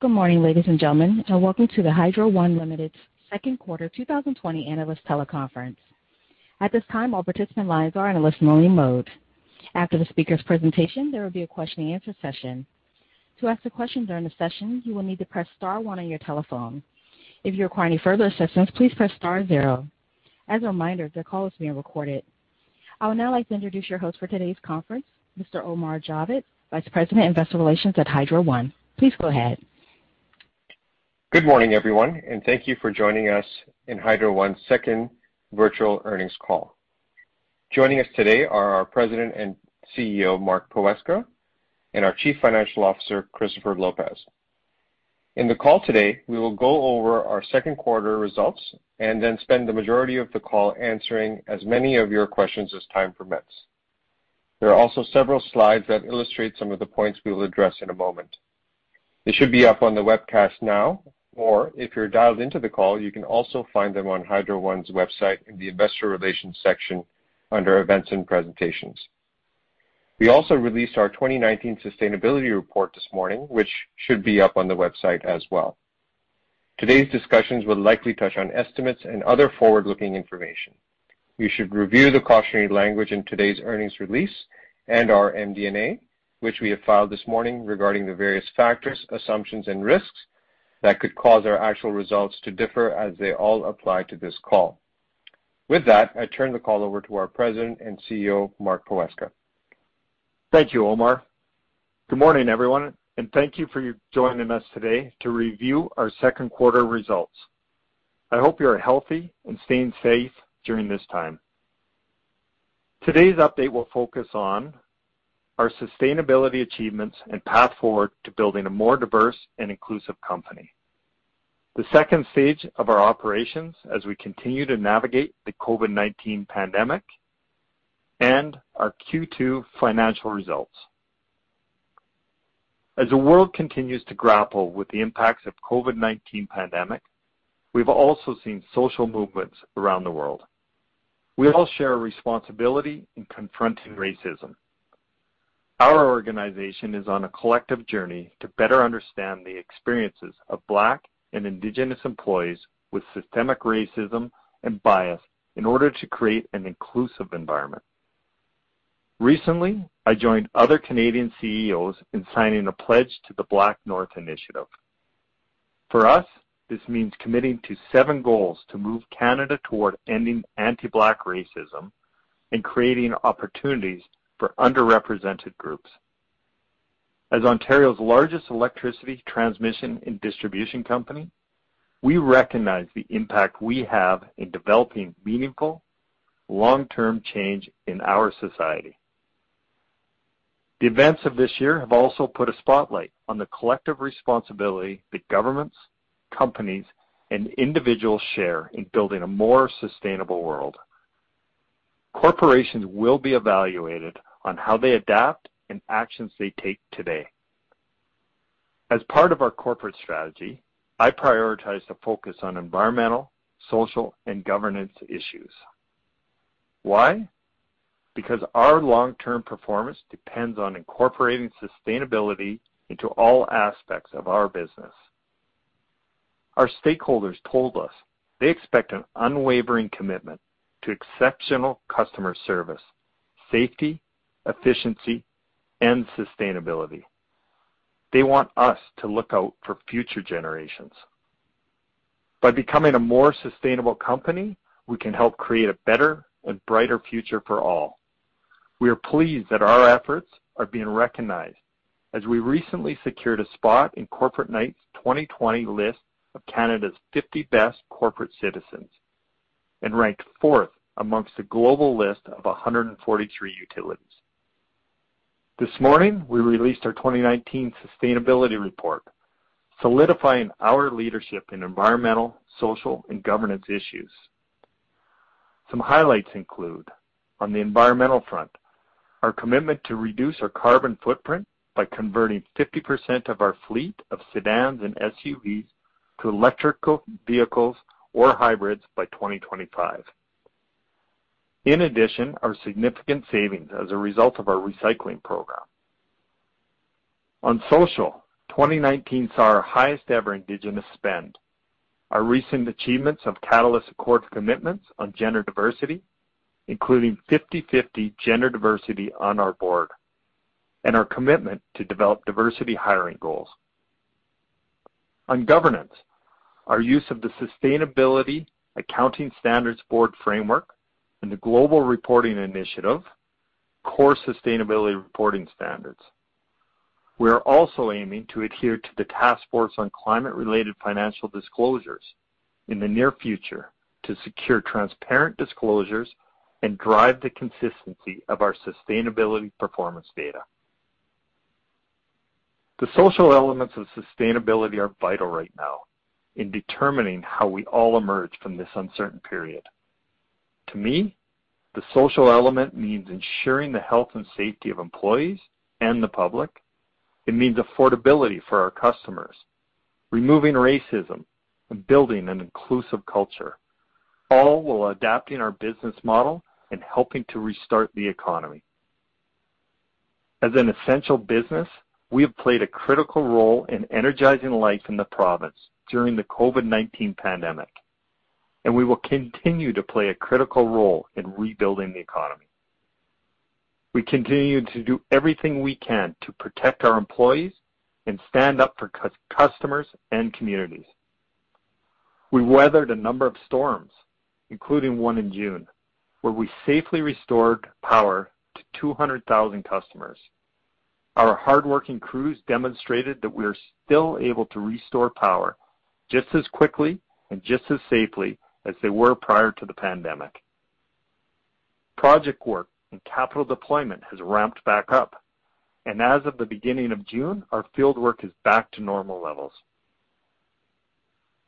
Good morning, ladies and gentlemen, and welcome to the Hydro One Limited's second quarter 2020 analyst teleconference. I would now like to introduce your host for today's conference, Mr. Omar Javed, Vice President Investor Relations at Hydro One. Please go ahead. Good morning, everyone, and thank you for joining us in Hydro One's second virtual earnings call. Joining us today are our President and CEO, Mark Poweska, and our Chief Financial Officer, Chris Lopez. In the call today, we will go over our second quarter results and then spend the majority of the call answering as many of your questions as time permits. There are also several slides that illustrate some of the points we will address in a moment. They should be up on the webcast now, or if you're dialed into the call, you can also find them on Hydro One's website in the investor relations section under events and presentations. We also released our 2019 sustainability report this morning, which should be up on the website as well. Today's discussions will likely touch on estimates and other forward-looking information. You should review the cautionary language in today's earnings release and our MD&A, which we have filed this morning regarding the various factors, assumptions, and risks that could cause our actual results to differ as they all apply to this call. With that, I turn the call over to our President and CEO, Mark Poweska. Thank you, Omar. Good morning, everyone, and thank you for joining us today to review our second-quarter results. I hope you are healthy and staying safe during this time. Today's update will focus on our sustainability achievements and path forward to building a more diverse and inclusive company, the second stage of our operations as we continue to navigate the COVID-19 pandemic, and our Q2 financial results. The world continues to grapple with the impacts of COVID-19 pandemic, we've also seen social movements around the world. We all share a responsibility in confronting racism. Our organization is on a collective journey to better understand the experiences of Black and Indigenous employees with systemic racism and bias in order to create an inclusive environment. Recently, I joined other Canadian CEOs in signing a pledge to the BlackNorth Initiative. For us, this means committing to seven goals to move Canada toward ending Anti-Black Racism and creating opportunities for underrepresented groups. As Ontario's largest electricity transmission and distribution company, we recognize the impact we have in developing meaningful, long-term change in our society. The events of this year have also put a spotlight on the collective responsibility that governments, companies, and individuals share in building a more sustainable world. Corporations will be evaluated on how they adapt and actions they take today. As part of our corporate strategy, I prioritize the focus on Environmental, Social, and Governance issues. Why? Because our long-term performance depends on incorporating sustainability into all aspects of our business. Our stakeholders told us they expect an unwavering commitment to exceptional customer service, safety, efficiency, and sustainability. They want us to look out for future generations. By becoming a more sustainable company, we can help create a better and brighter future for all. We are pleased that our efforts are being recognized as we recently secured a spot in Corporate Knights 2020 list of Canada's 50 Best Corporate Citizens and ranked fourth amongst a global list of 143 utilities. This morning, we released our 2019 sustainability report, solidifying our leadership in environmental, social, and governance issues. Some highlights include, on the environmental front, our commitment to reduce our carbon footprint by converting 50% of our fleet of sedans and SUVs to electrical vehicles or hybrids by 2025. In addition, our significant savings as a result of our recycling program. On social, 2019 saw our highest-ever Indigenous spend. Our recent achievements of Catalyst Accord commitments on gender diversity, including 50/50 gender diversity on our board, and our commitment to develop diversity hiring goals. On governance, our use of the Sustainability Accounting Standards Board framework and the Global Reporting Initiative Core Sustainability Reporting standards. We are also aiming to adhere to the Task Force on Climate-related Financial Disclosures in the near future to secure transparent disclosures and drive the consistency of our sustainability performance data. The social elements of sustainability are vital right now in determining how we all emerge from this uncertain period. To me, the social element means ensuring the health and safety of employees and the public. It means affordability for our customers, removing racism, and building an inclusive culture. All while adapting our business model and helping to restart the economy. As an essential business, we have played a critical role in energizing life in the province during the COVID-19 pandemic, and we will continue to play a critical role in rebuilding the economy. We continue to do everything we can to protect our employees and stand up for customers and communities. We weathered a number of storms, including one in June, where we safely restored power to 200,000 customers. Our hardworking crews demonstrated that we are still able to restore power just as quickly and just as safely as they were prior to the pandemic. Project work and capital deployment has ramped back up. As of the beginning of June, our fieldwork is back to normal levels.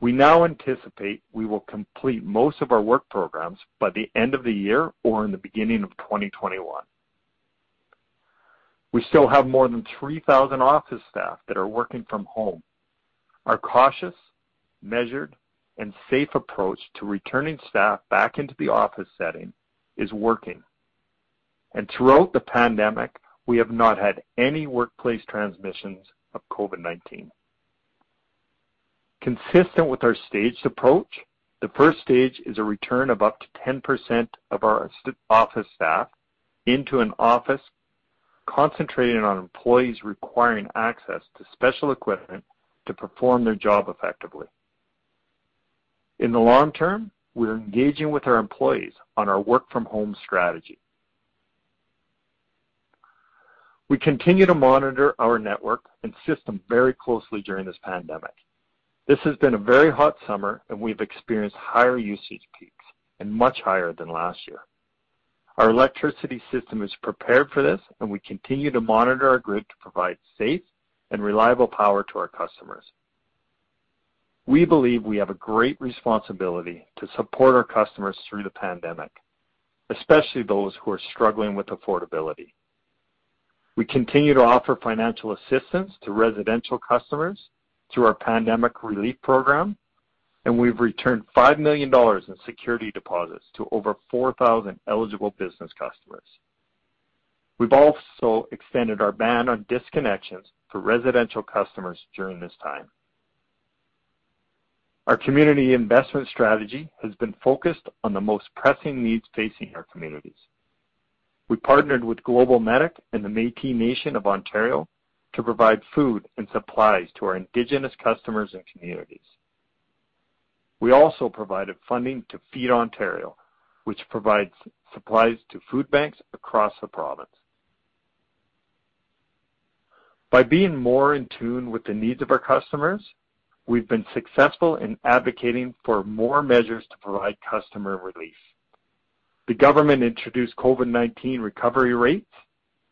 We now anticipate we will complete most of our work programs by the end of the year or in the beginning of 2021. We still have more than 3,000 office staff that are working from home. Our cautious, measured, and safe approach to returning staff back into the office setting is working. Throughout the pandemic, we have not had any workplace transmissions of COVID-19. Consistent with our staged approach, the first stage is a return of up to 10% of our office staff into an office, concentrating on employees requiring access to special equipment to perform their job effectively. In the long term, we're engaging with our employees on our work-from-home strategy. We continue to monitor our network and system very closely during this pandemic. This has been a very hot summer, and we've experienced higher usage peaks and much higher than last year. Our electricity system is prepared for this, and we continue to monitor our grid to provide safe and reliable power to our customers. We believe we have a great responsibility to support our customers through the pandemic, especially those who are struggling with affordability. We continue to offer financial assistance to residential customers through our pandemic relief program. We've returned 5 million dollars in security deposits to over 4,000 eligible business customers. We've also extended our ban on disconnections for residential customers during this time. Our community investment strategy has been focused on the most pressing needs facing our communities. We partnered with GlobalMedic and the Métis Nation of Ontario to provide food and supplies to our Indigenous customers and communities. We also provided funding to Feed Ontario, which provides supplies to food banks across the province. By being more in tune with the needs of our customers, we've been successful in advocating for more measures to provide customer relief. The government introduced COVID-19 recovery rates,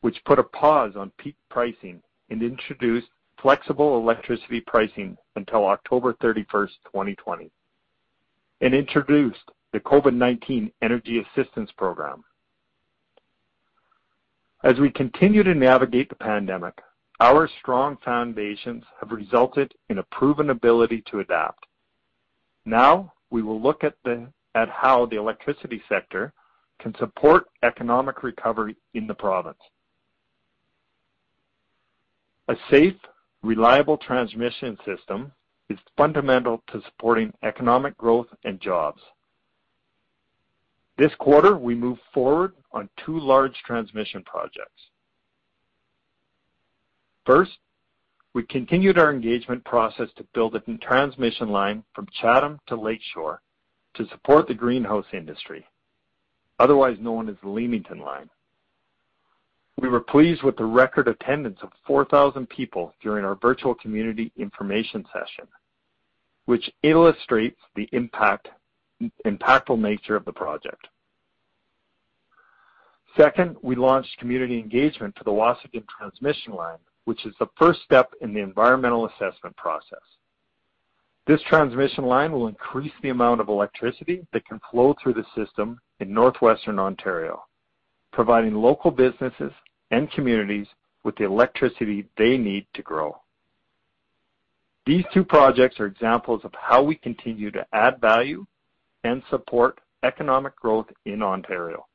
which put a pause on peak pricing and introduced flexible electricity pricing until October 31st, 2020, and introduced the COVID-19 Energy Assistance Program. As we continue to navigate the pandemic, our strong foundations have resulted in a proven ability to adapt. Now, we will look at how the electricity sector can support economic recovery in the province. A safe, reliable transmission system is fundamental to supporting economic growth and jobs. This quarter, we moved forward on two large transmission projects. First, we continued our engagement process to build a new transmission line from Chatham to Lakeshore to support the greenhouse industry, otherwise known as the Leamington line. We were pleased with the record attendance of 4,000 people during our virtual community information session, which illustrates the impactful nature of the project. Second, we launched community engagement for the Waasigan transmission line, which is the first step in the environmental assessment process. This transmission line will increase the amount of electricity that can flow through the system in northwestern Ontario, providing local businesses and communities with the electricity they need to grow. These two projects are examples of how we continue to add value and support economic growth in Ontario.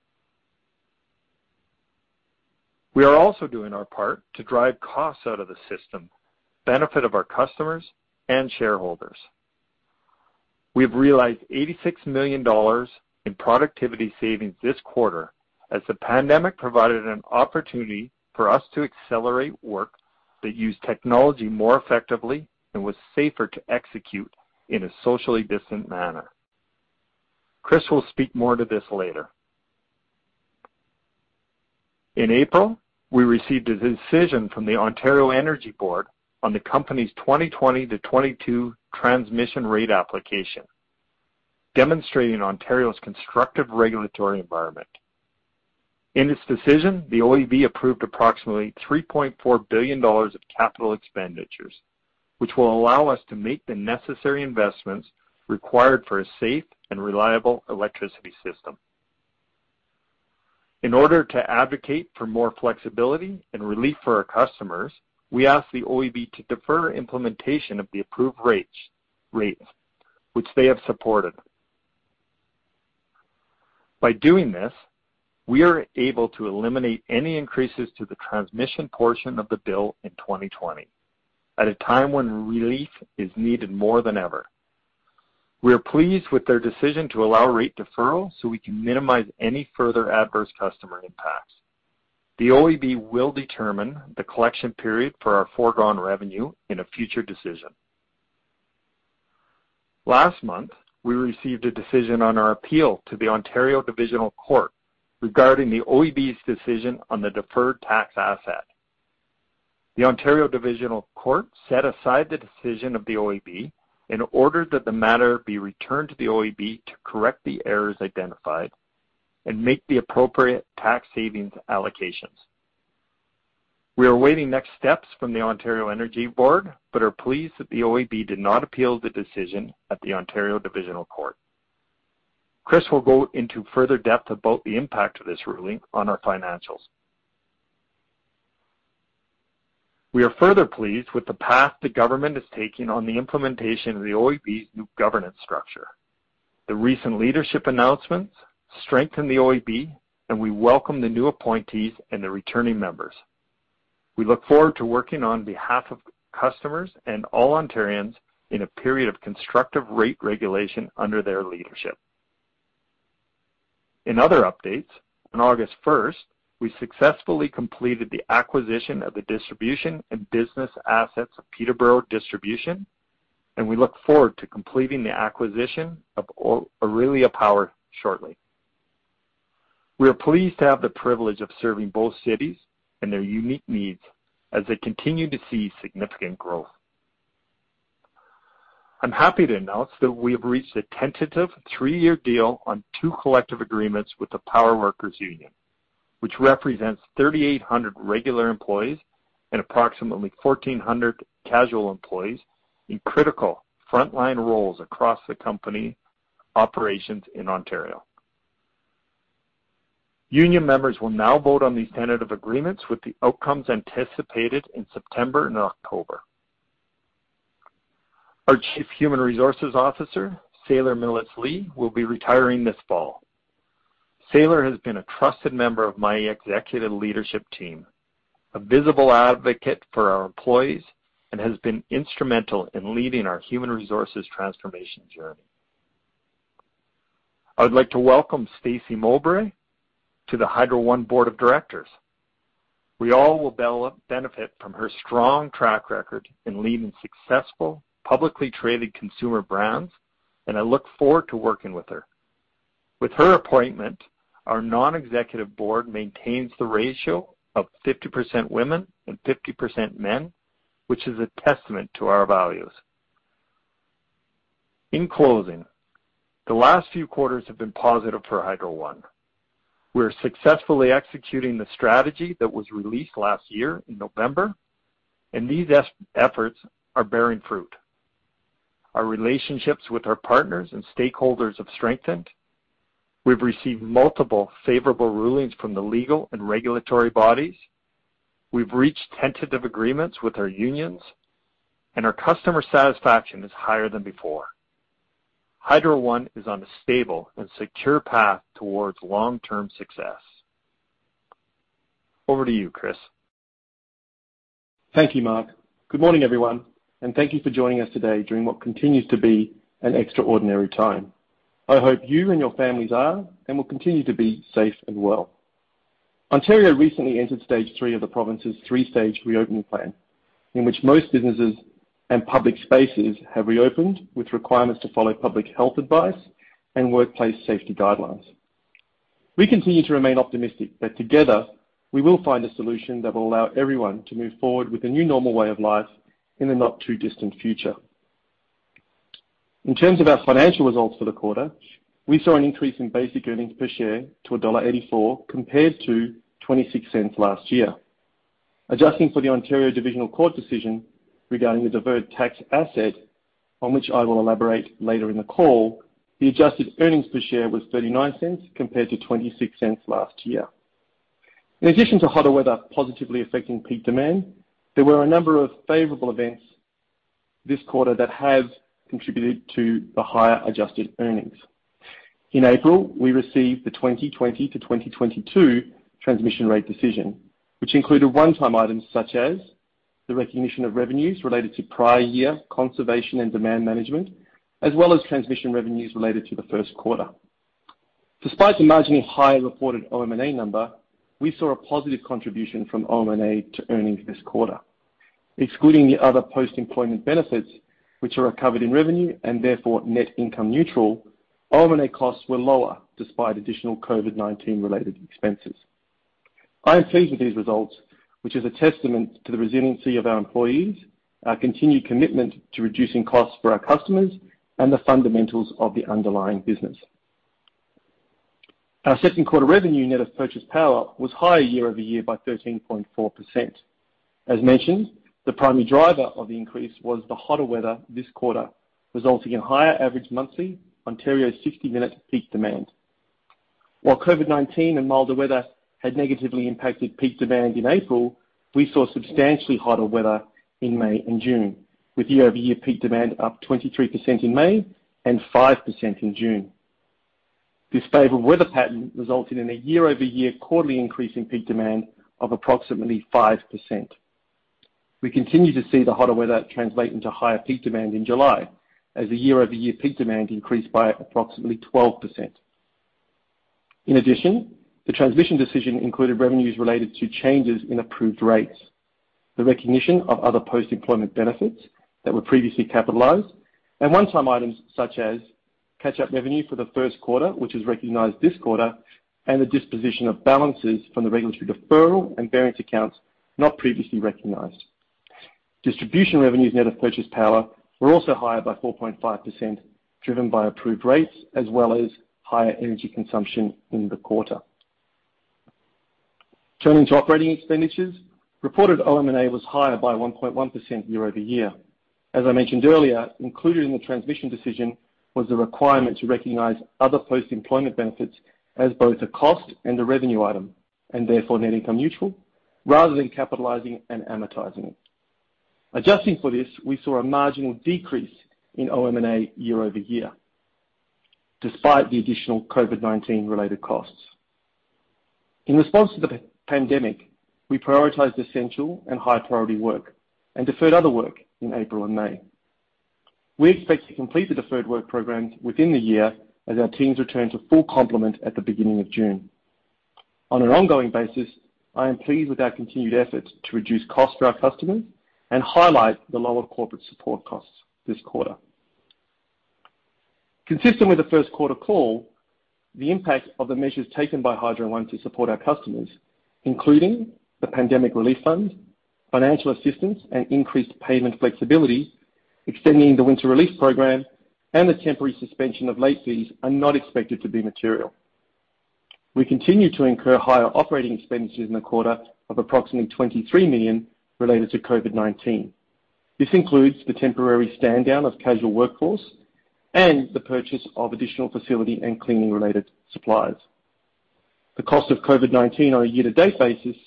We are also doing our part to drive costs out of the system for the benefit of our customers and shareholders. We've realized 86 million dollars in productivity savings this quarter as the pandemic provided an opportunity for us to accelerate work that used technology more effectively and was safer to execute in a socially distant manner. Chris will speak more to this later. In April, we received a decision from the Ontario Energy Board on the company's 2020-2022 transmission rate application, demonstrating Ontario's constructive regulatory environment. In this decision, the OEB approved approximately 3.4 billion dollars of capital expenditures, which will allow us to make the necessary investments required for a safe and reliable electricity system. In order to advocate for more flexibility and relief for our customers, we asked the OEB to defer implementation of the approved rates, which they have supported. By doing this, we are able to eliminate any increases to the transmission portion of the bill in 2020, at a time when relief is needed more than ever. We are pleased with their decision to allow rate deferral so we can minimize any further adverse customer impacts. The OEB will determine the collection period for our foregone revenue in a future decision. Last month, we received a decision on our appeal to the Ontario Divisional Court regarding the OEB's decision on the deferred tax asset. The Ontario Divisional Court set aside the decision of the OEB and ordered that the matter be returned to the OEB to correct the errors identified and make the appropriate tax savings allocations. We are awaiting next steps from the Ontario Energy Board, but are pleased that the OEB did not appeal the decision at the Ontario Divisional Court. Chris will go into further depth about the impact of this ruling on our financials. We are further pleased with the path the government is taking on the implementation of the OEB's new governance structure. The recent leadership announcements strengthen the OEB, and we welcome the new appointees and the returning members. We look forward to working on behalf of customers and all Ontarians in a period of constructive rate regulation under their leadership. In other updates, on August 1st, we successfully completed the acquisition of the distribution and business assets of Peterborough Distribution, and we look forward to completing the acquisition of Orillia Power shortly. We are pleased to have the privilege of serving both cities and their unique needs as they continue to see significant growth. I'm happy to announce that we have reached a tentative three-year deal on two collective agreements with the Power Workers' Union, which represents 3,800 regular employees and approximately 1,400 casual employees in critical frontline roles across the company operations in Ontario. Union members will now vote on these tentative agreements, with the outcomes anticipated in September and October. Our Chief Human Resources Officer, Saila Millers-Lee, will be retiring this fall. Saila has been a trusted member of my executive leadership team, a visible advocate for our employees, and has been instrumental in leading our human resources transformation journey. I would like to welcome Stacey Mowbray to the Hydro One Board of Directors. We all will benefit from her strong track record in leading successful, publicly traded consumer brands, and I look forward to working with her. With her appointment, our non-executive board maintains the ratio of 50% women and 50% men, which is a testament to our values. In closing, the last few quarters have been positive for Hydro One. We are successfully executing the strategy that was released last year in November, and these efforts are bearing fruit. Our relationships with our partners and stakeholders have strengthened. We've received multiple favorable rulings from the legal and regulatory bodies. We've reached tentative agreements with our unions. Our customer satisfaction is higher than before. Hydro One is on a stable and secure path towards long-term success. Over to you, Chris. Thank you, Mark. Good morning, everyone, and thank you for joining us today during what continues to be an extraordinary time. I hope you and your families are, and will continue to be, safe and well. Ontario recently entered stage 3 of the province's 3-stage reopening plan, in which most businesses and public spaces have reopened with requirements to follow public health advice and workplace safety guidelines. We continue to remain optimistic that together, we will find a solution that will allow everyone to move forward with a new normal way of life in the not-too-distant future. In terms of our financial results for the quarter, we saw an increase in basic earnings per share to dollar 1.84, compared to 0.26 last year. Adjusting for the Ontario Divisional Court decision regarding the deferred tax asset, on which I will elaborate later in the call, the adjusted earnings per share was 0.39 compared to 0.26 last year. In addition to hotter weather positively affecting peak demand, there were a number of favorable events this quarter that have contributed to the higher adjusted earnings. In April, we received the 2020-2022 transmission rate decision, which included one-time items such as the recognition of revenues related to prior year conservation and demand management, as well as transmission revenues related to the first quarter. Despite the marginally higher reported OM&A number, we saw a positive contribution from OM&A to earnings this quarter. Excluding the other post-employment benefits, which are recovered in revenue and therefore net income neutral, OM&A costs were lower despite additional COVID-19 related expenses. I am pleased with these results, which is a testament to the resiliency of our employees, our continued commitment to reducing costs for our customers, and the fundamentals of the underlying business. Our second quarter revenue net of purchased power was higher year-over-year by 13.4%. As mentioned, the primary driver of the increase was the hotter weather this quarter, resulting in higher average monthly Ontario 60-minute peak demand. While COVID-19 and milder weather had negatively impacted peak demand in April, we saw substantially hotter weather in May and June, with year-over-year peak demand up 23% in May and 5% in June. This favorable weather pattern resulted in a year-over-year quarterly increase in peak demand of approximately 5%. We continue to see the hotter weather translate into higher peak demand in July, as the year-over-year peak demand increased by approximately 12%. In addition, the transmission decision included revenues related to changes in approved rates, the recognition of other post-employment benefits that were previously capitalized, and one-time items such as catch-up revenue for the first quarter, which is recognized this quarter, and the disposition of balances from the regulatory deferral and variance accounts not previously recognized. Distribution revenues net of purchased power were also higher by 4.5%, driven by approved rates as well as higher energy consumption in the quarter. Turning to operating expenditures, reported OM&A was higher by 1.1% year-over-year. As I mentioned earlier, included in the transmission decision was the requirement to recognize other post-employment benefits as both a cost and a revenue item, and therefore net income neutral, rather than capitalizing and amortizing it. Adjusting for this, we saw a marginal decrease in OM&A year-over-year despite the additional COVID-19-related costs. In response to the pandemic, we prioritized essential and high-priority work and deferred other work in April and May. We expect to complete the deferred work programs within the year as our teams return to full complement at the beginning of June. On an ongoing basis, I am pleased with our continued efforts to reduce costs for our customers and highlight the lower corporate support costs this quarter. Consistent with the first quarter call, the impact of the measures taken by Hydro One to support our customers, including the pandemic relief fund, financial assistance, and increased payment flexibility, extending the winter relief program, and the temporary suspension of late fees, are not expected to be material. We continue to incur higher operating expenses in the quarter of approximately 23 million related to COVID-19. This includes the temporary stand-down of casual workforce and the purchase of additional facility and cleaning-related supplies. The cost of COVID-19 on a year-to-date basis,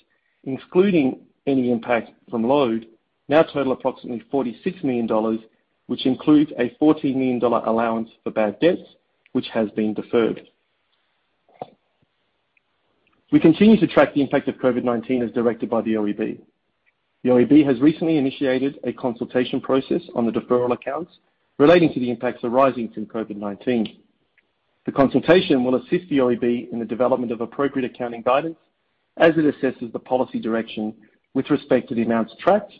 excluding any impact from load, now total approximately 46 million dollars, which includes a 14 million dollar allowance for bad debts, which has been deferred. We continue to track the impact of COVID-19 as directed by the OEB. The OEB has recently initiated a consultation process on the deferral accounts relating to the impacts arising from COVID-19. The consultation will assist the OEB in the development of appropriate accounting guidance as it assesses the policy direction with respect to the amounts tracked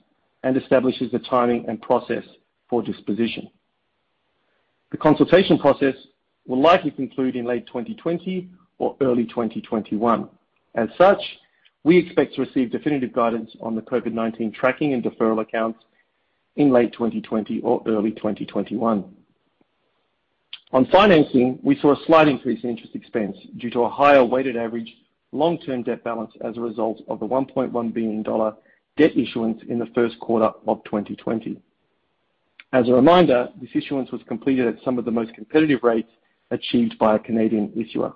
and establishes the timing and process for disposition. The consultation process will likely conclude in late 2020 or early 2021. As such, we expect to receive definitive guidance on the COVID-19 tracking and deferral accounts in late 2020 or early 2021. On financing, we saw a slight increase in interest expense due to a higher weighted average long-term debt balance as a result of the 1.1 billion dollar debt issuance in the first quarter of 2020. As a reminder, this issuance was completed at some of the most competitive rates achieved by a Canadian issuer.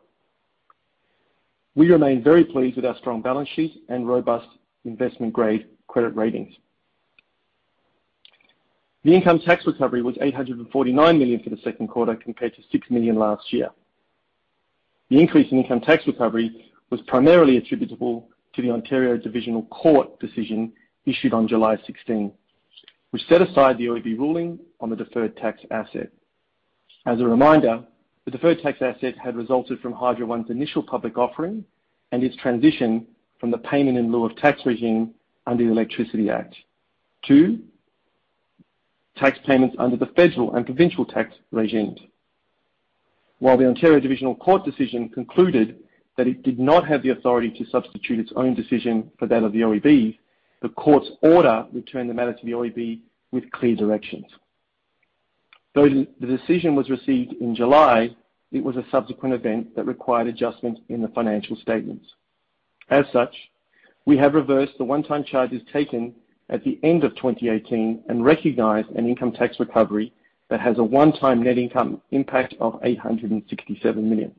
We remain very pleased with our strong balance sheet and robust investment-grade credit ratings. The income tax recovery was CAD 849 million for the second quarter, compared to CAD 6 million last year. The increase in income tax recovery was primarily attributable to the Ontario Divisional Court decision issued on July 16, which set aside the OEB ruling on the deferred tax asset. As a reminder, the deferred tax asset had resulted from Hydro One's initial public offering and its transition from the payment in lieu of tax regime under the Electricity Act to tax payments under the federal and provincial tax regimes. While the Ontario Divisional Court decision concluded that it did not have the authority to substitute its own decision for that of the OEB, the court's order returned the matter to the OEB with clear directions. Though the decision was received in July, it was a subsequent event that required adjustment in the financial statements. As such, we have reversed the one-time charges taken at the end of 2018 and recognized an income tax recovery that has a one-time net income impact of 867 million.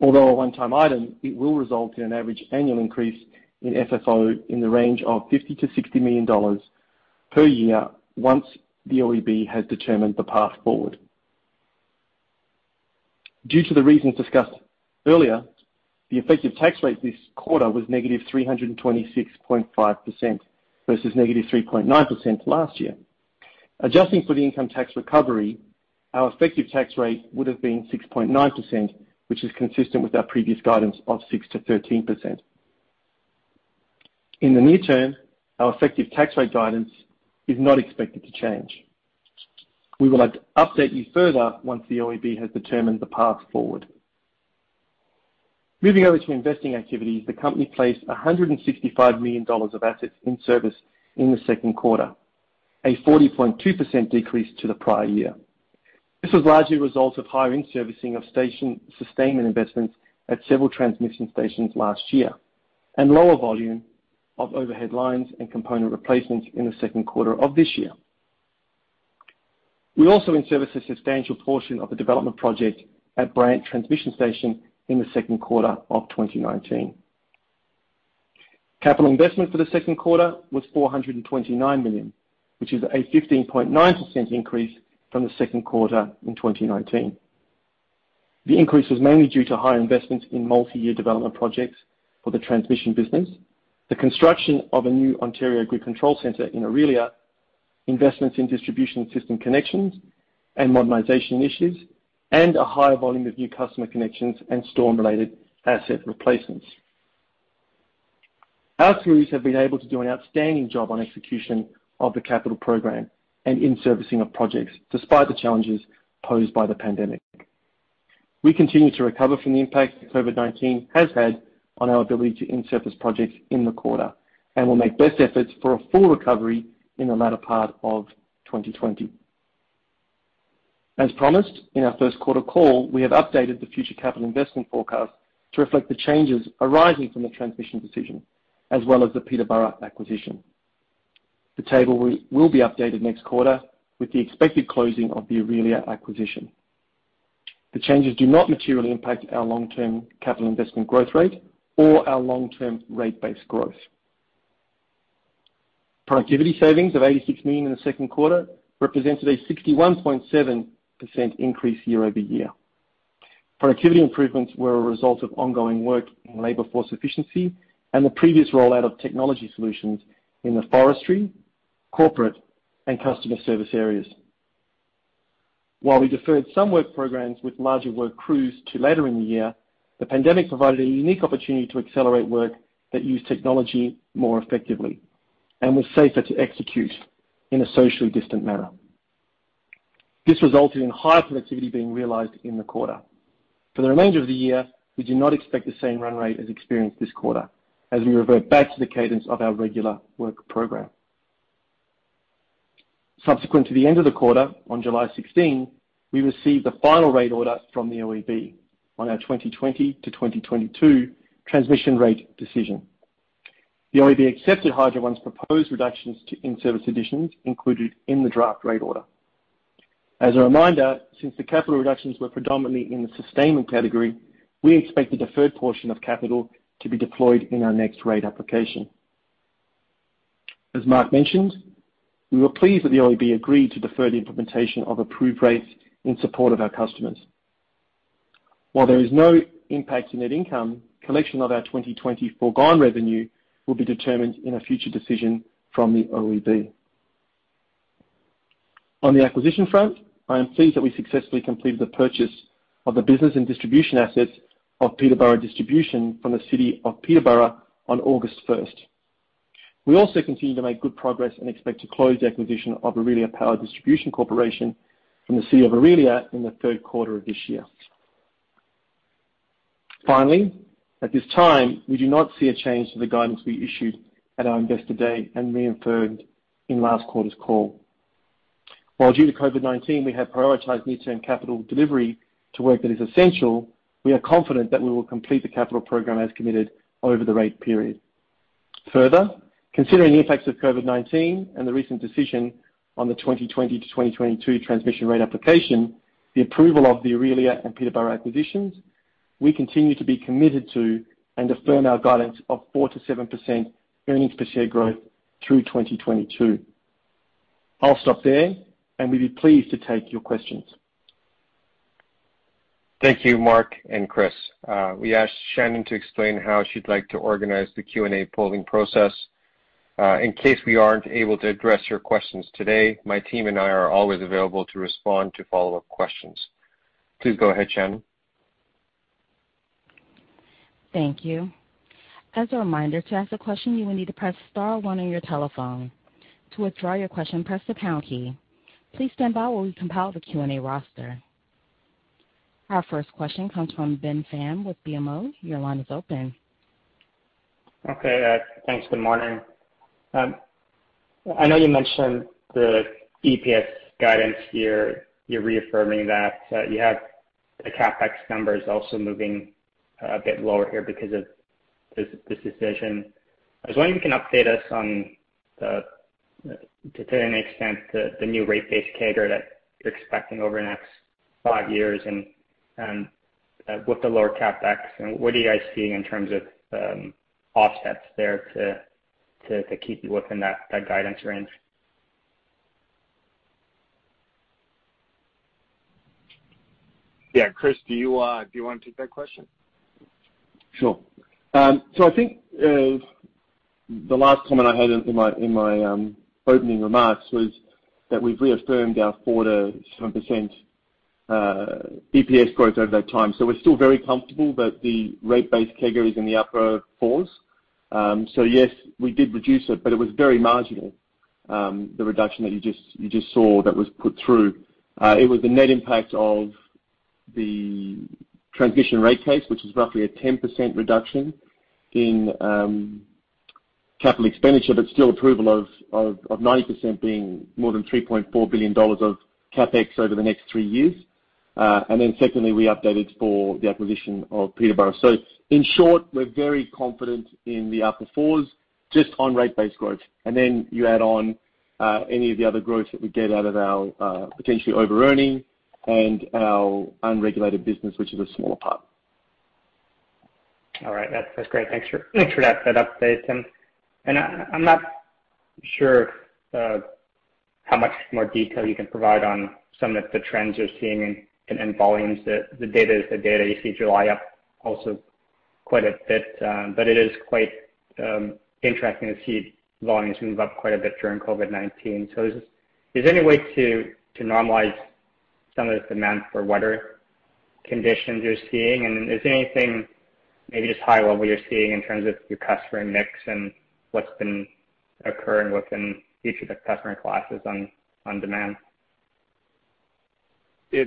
Although a one-time item, it will result in an average annual increase in FFO in the range of 50 million-60 million dollars per year once the OEB has determined the path forward. Due to the reasons discussed earlier, the effective tax rate this quarter was -326.5% versus -3.9% last year. Adjusting for the income tax recovery, our effective tax rate would have been 6.9%, which is consistent with our previous guidance of 6%-13%. In the near term, our effective tax rate guidance is not expected to change. We will update you further once the OEB has determined the path forward. Moving over to investing activities. The company placed 165 million dollars of assets in service in the second quarter, a 40.2% decrease to the prior year. This was largely a result of higher in-servicing of station sustainment investments at several transmission stations last year, and lower volume of overhead lines and component replacements in the second quarter of this year. We also in-serviced a substantial portion of the development project at Bridgman Transmission Station in the second quarter of 2019. Capital investment for the second quarter was 429 million, which is a 15.9% increase from the second quarter in 2019. The increase was mainly due to higher investments in multi-year development projects for the transmission business, the construction of a new Ontario grid control center in Orillia, investments in distribution system connections and modernization initiatives, and a higher volume of new customer connections and storm-related asset replacements. Our crews have been able to do an outstanding job on execution of the capital program and in-servicing of projects, despite the challenges posed by the pandemic. We continue to recover from the impact COVID-19 has had on our ability to in-service projects in the quarter, and will make best efforts for a full recovery in the latter part of 2020. As promised, in our first quarter call, we have updated the future capital investment forecast to reflect the changes arising from the transmission decision, as well as the Peterborough acquisition. The table will be updated next quarter with the expected closing of the Orillia acquisition. The changes do not materially impact our long-term capital investment growth rate or our long-term rate base growth. Productivity savings of 86 million in the second quarter represented a 61.7% increase year-over-year. Productivity improvements were a result of ongoing work in labor force efficiency and the previous rollout of technology solutions in the forestry, corporate, and customer service areas. While we deferred some work programs with larger work crews to later in the year, the pandemic provided a unique opportunity to accelerate work that used technology more effectively and was safer to execute in a socially distant manner. This resulted in higher productivity being realized in the quarter. For the remainder of the year, we do not expect the same run rate as experienced this quarter, as we revert back to the cadence of our regular work program. Subsequent to the end of the quarter, on July 16, we received the final rate order from the OEB on our 2020 to 2022 transmission rate decision. The OEB accepted Hydro One's proposed reductions to in-service additions included in the draft rate order. As a reminder, since the capital reductions were predominantly in the sustainment category, we expect the deferred portion of capital to be deployed in our next rate application. As Mark mentioned, we were pleased that the OEB agreed to defer the implementation of approved rates in support of our customers. While there is no impact to net income, collection of our 2020 forgone revenue will be determined in a future decision from the OEB. On the acquisition front, I am pleased that we successfully completed the purchase of the business and distribution assets of Peterborough Distribution from the City of Peterborough on August 1st. We also continue to make good progress and expect to close the acquisition of Orillia Power Distribution Corporation from the City of Orillia in the third quarter of this year. Finally, at this time, we do not see a change to the guidance we issued at our Investor Day and reaffirmed in last quarter's call. While due to COVID-19, we have prioritized near-term capital delivery to work that is essential, we are confident that we will complete the capital program as committed over the rate period. Considering the impacts of COVID-19 and the recent decision on the 2020 to 2022 transmission rate application, the approval of the Orillia and Peterborough acquisitions, we continue to be committed to and affirm our guidance of 4%-7% earnings per share growth through 2022. I'll stop there, and we'd be pleased to take your questions. Thank you, Mark and Chris. We asked Shannon to explain how she'd like to organize the Q&A polling process. In case we aren't able to address your questions today, my team and I are always available to respond to follow-up questions. Please go ahead, Shannon. Thank you. As a reminder, to ask a question, you will need to press star one on your telephone. To withdraw your question, press the pound key. Please stand by while we compile the Q&A roster. Our first question comes from Ben Pham with BMO. Your line is open. Okay. Thanks. Good morning. I know you mentioned the EPS guidance here. You're reaffirming that you have the CapEx numbers also moving a bit lower here because of this decision. I was wondering if you can update us on the, to an extent, the new rate base CAGR that you're expecting over the next five years and with the lower CapEx. What are you guys seeing in terms of offsets there to keep you within that guidance range? Yeah. Chris, do you want to take that question? Sure. I think the last comment I had in my opening remarks was that we've reaffirmed our 4%-7% EPS growth over that time. We're still very comfortable that the rate base CAGR is in the upper fours. Yes, we did reduce it, but it was very marginal, the reduction that you just saw that was put through. It was the net impact of the transition rate case, which was roughly a 10% reduction in capital expenditure, but still approval of 90% being more than 3.4 billion dollars of CapEx over the next three years. Secondly, we updated for the acquisition of Peterborough. In short, we're very confident in the upper fours just on rate base growth. You add on any of the other growth that we get out of our potentially over-earning and our unregulated business, which is a smaller part. All right. That's great. Thanks for that update. I'm not sure how much more detail you can provide on some of the trends you're seeing in volumes. The data is the data. You see July up also quite a bit. It is quite interesting to see volumes move up quite a bit during COVID-19. Is there any way to normalize some of the demand for weather conditions you're seeing? Is there anything, maybe just high-level, you're seeing in terms of your customer mix and what's been occurring within each of the customer classes on demand?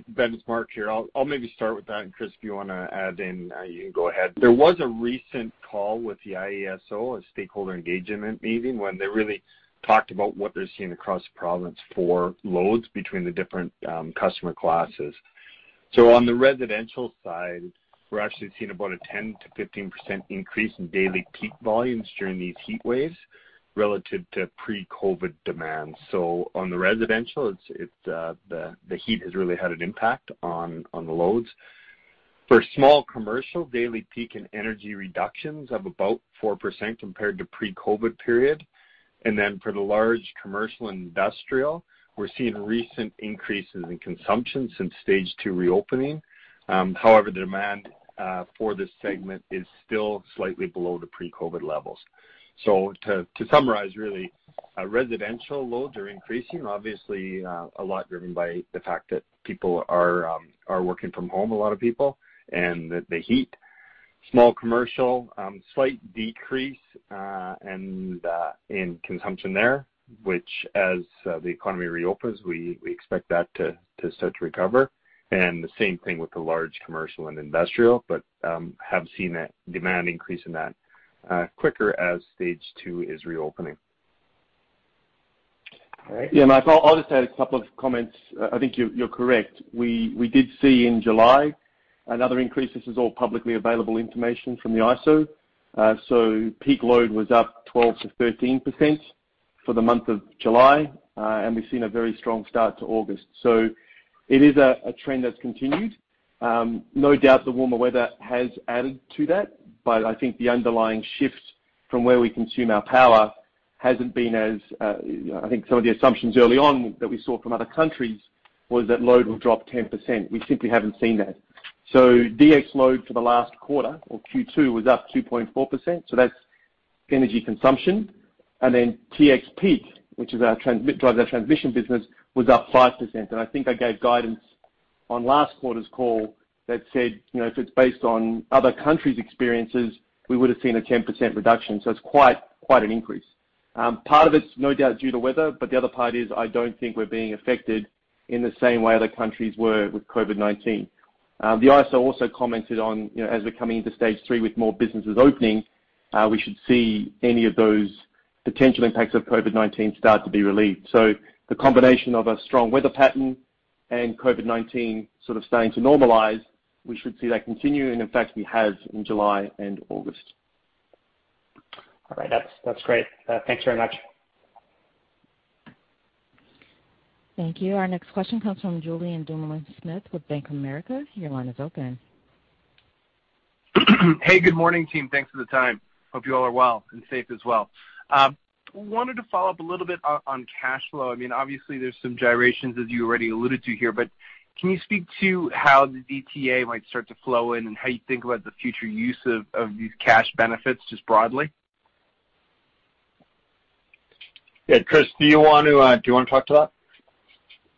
Ben. It's Mark here. I'll maybe start with that, and Chris, if you want to add in, you can go ahead. There was a recent call with the IESO, a stakeholder engagement meeting, when they really talked about what they're seeing across the province for loads between the different customer classes. On the residential side, we're actually seeing about a 10%-15% increase in daily peak volumes during these heat waves relative to pre-COVID demand. On the residential, the heat has really had an impact on the loads. For small commercial, daily peak and energy reductions of about 4% compared to pre-COVID period. Then for the large commercial and industrial, we're seeing recent increases in consumption since stage 2 reopening. However, the demand for this segment is still slightly below the pre-COVID levels. To summarize, really, residential loads are increasing, obviously, a lot driven by the fact that people are working from home, a lot of people, and the heat. Small commercial, slight decrease in consumption there, which as the economy reopens, we expect that to start to recover. The same thing with the large commercial and industrial, but have seen a demand increase in that quicker as stage 2 is reopening. All right. Yeah, Mark, I'll just add a couple of comments. I think you're correct. We did see in July another increase. This is all publicly available information from the IESO. Peak load was up 12%-13% for the month of July. We've seen a very strong start to August. It is a trend that's continued. No doubt the warmer weather has added to that, but I think the underlying shift from where we consume our power hasn't been as I think some of the assumptions early on that we saw from other countries was that load will drop 10%. We simply haven't seen that. DX load for the last quarter or Q2 was up 2.4%, so that's energy consumption. Then TX peak, which drives our transmission business, was up 5%. I think I gave guidance on last quarter's call that said if it's based on other countries' experiences, we would have seen a 10% reduction. It's quite an increase. Part of it's no doubt due to weather, but the other part is I don't think we're being affected in the same way other countries were with COVID-19. The IESO also commented on as we're coming into stage 3 with more businesses opening, we should see any of those potential impacts of COVID-19 start to be relieved. The combination of a strong weather pattern and COVID-19 sort of starting to normalize, we should see that continue. In fact, we have in July and August. All right. That's great. Thanks very much. Thank you. Our next question comes from Julien Dumoulin-Smith with Bank of America. Your line is open. Hey, good morning, team. Thanks for the time. Hope you all are well and safe as well. I wanted to follow up a little bit on cash flow. Obviously, there is some gyrations as you already alluded to here. Can you speak to how the DTA might start to flow in and how you think about the future use of these cash benefits just broadly? Yeah. Chris, do you want to talk to that?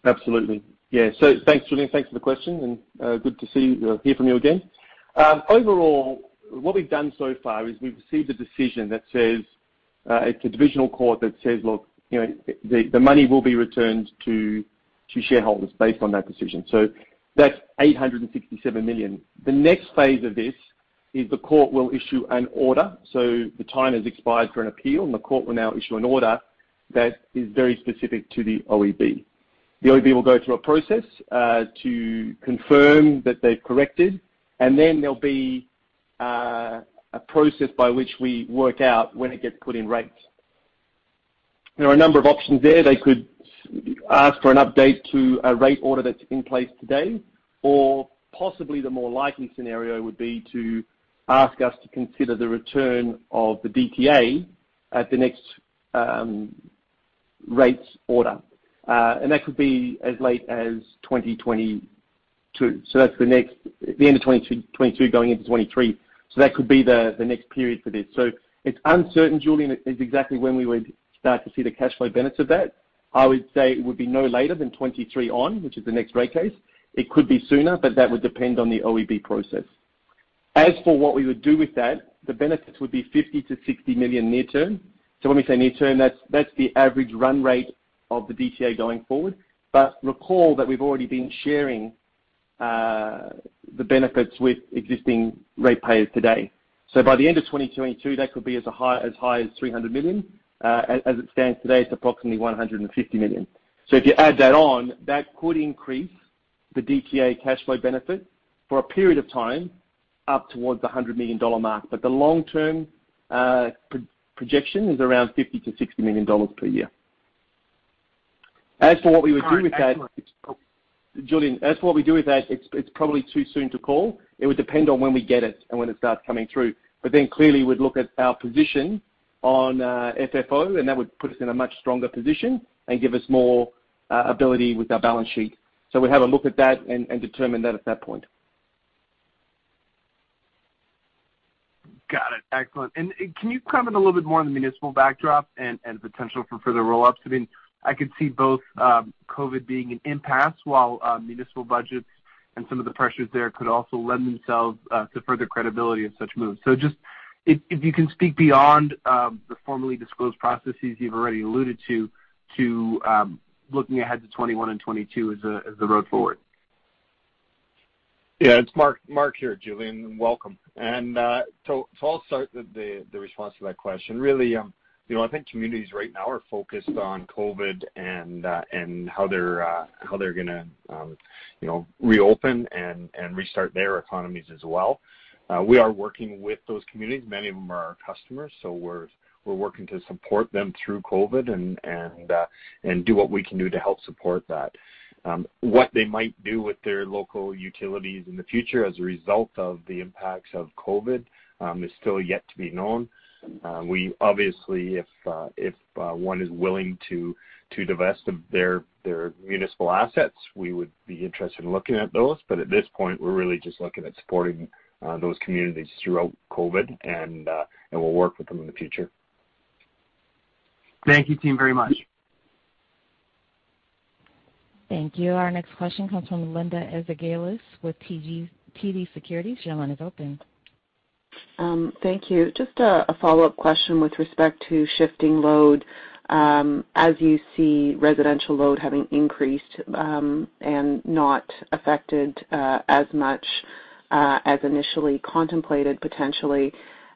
Absolutely. Yeah. Thanks, Julien. Thanks for the question, and good to hear from you again. Overall, what we've done so far is we've received a decision that says, it's a Divisional Court that says, look, the money will be returned to shareholders based on that decision. That's 867 million. The next phase of this is the court will issue an order. The time has expired for an appeal, and the court will now issue an order that is very specific to the OEB. The OEB will go through a process to confirm that they've corrected, and then there'll be a process by which we work out when it gets put in rates. There are a number of options there. They could ask for an update to a rate order that's in place today, or possibly the more likely scenario would be to ask us to consider the return of the DTA at the next rates order. That could be as late as 2022. That's the end of 2022, going into 2023. That could be the next period for this. It's uncertain, Julien, is exactly when we would start to see the cash flow benefits of that. I would say it would be no later than 2023 on, which is the next rate case. It could be sooner, but that would depend on the OEB process. As for what we would do with that, the benefits would be 50 million-60 million near term. When we say near term, that's the average run rate of the DTA going forward. Recall that we've already been sharing. The benefits with existing rate payers today. By the end of 2022, that could be as high as 300 million. As it stands today, it is approximately 150 million. If you add that on, that could increase the DTA cash flow benefit for a period of time up towards the 100 million dollar mark. The long-term projection is around 50 million-60 million dollars per year. As for what we would do with that- All right, excellent. Julien, as for what we do with that, it's probably too soon to call. It would depend on when we get it and when it starts coming through. Clearly we'd look at our position on FFO, and that would put us in a much stronger position and give us more ability with our balance sheet. We'll have a look at that and determine that at that point. Got it. Excellent. Can you comment a little bit more on the municipal backdrop and potential for further roll-ups? I could see both COVID being an impasse while municipal budgets and some of the pressures there could also lend themselves to further credibility of such moves. Just if you can speak beyond the formally disclosed processes you've already alluded to looking ahead to 2021 and 2022 as the road forward. Yeah, it's Mark here, Julian, welcome. I'll start the response to that question. Really, I think communities right now are focused on COVID-19 and how they're going to reopen and restart their economies as well. We are working with those communities. Many of them are our customers, so we're working to support them through COVID-19 and do what we can do to help support that. What they might do with their local utilities in the future as a result of the impacts of COVID is still yet to be known. We obviously, if one is willing to divest of their municipal assets, we would be interested in looking at those, but at this point, we're really just looking at supporting those communities throughout COVID and we'll work with them in the future. Thank you, team, very much. Thank you. Our next question comes from Linda Ezergailis with TD Securities. Your line is open. Thank you. Just a follow-up question with respect to shifting load. As you see residential load having increased and not affected as much as initially contemplated, potentially,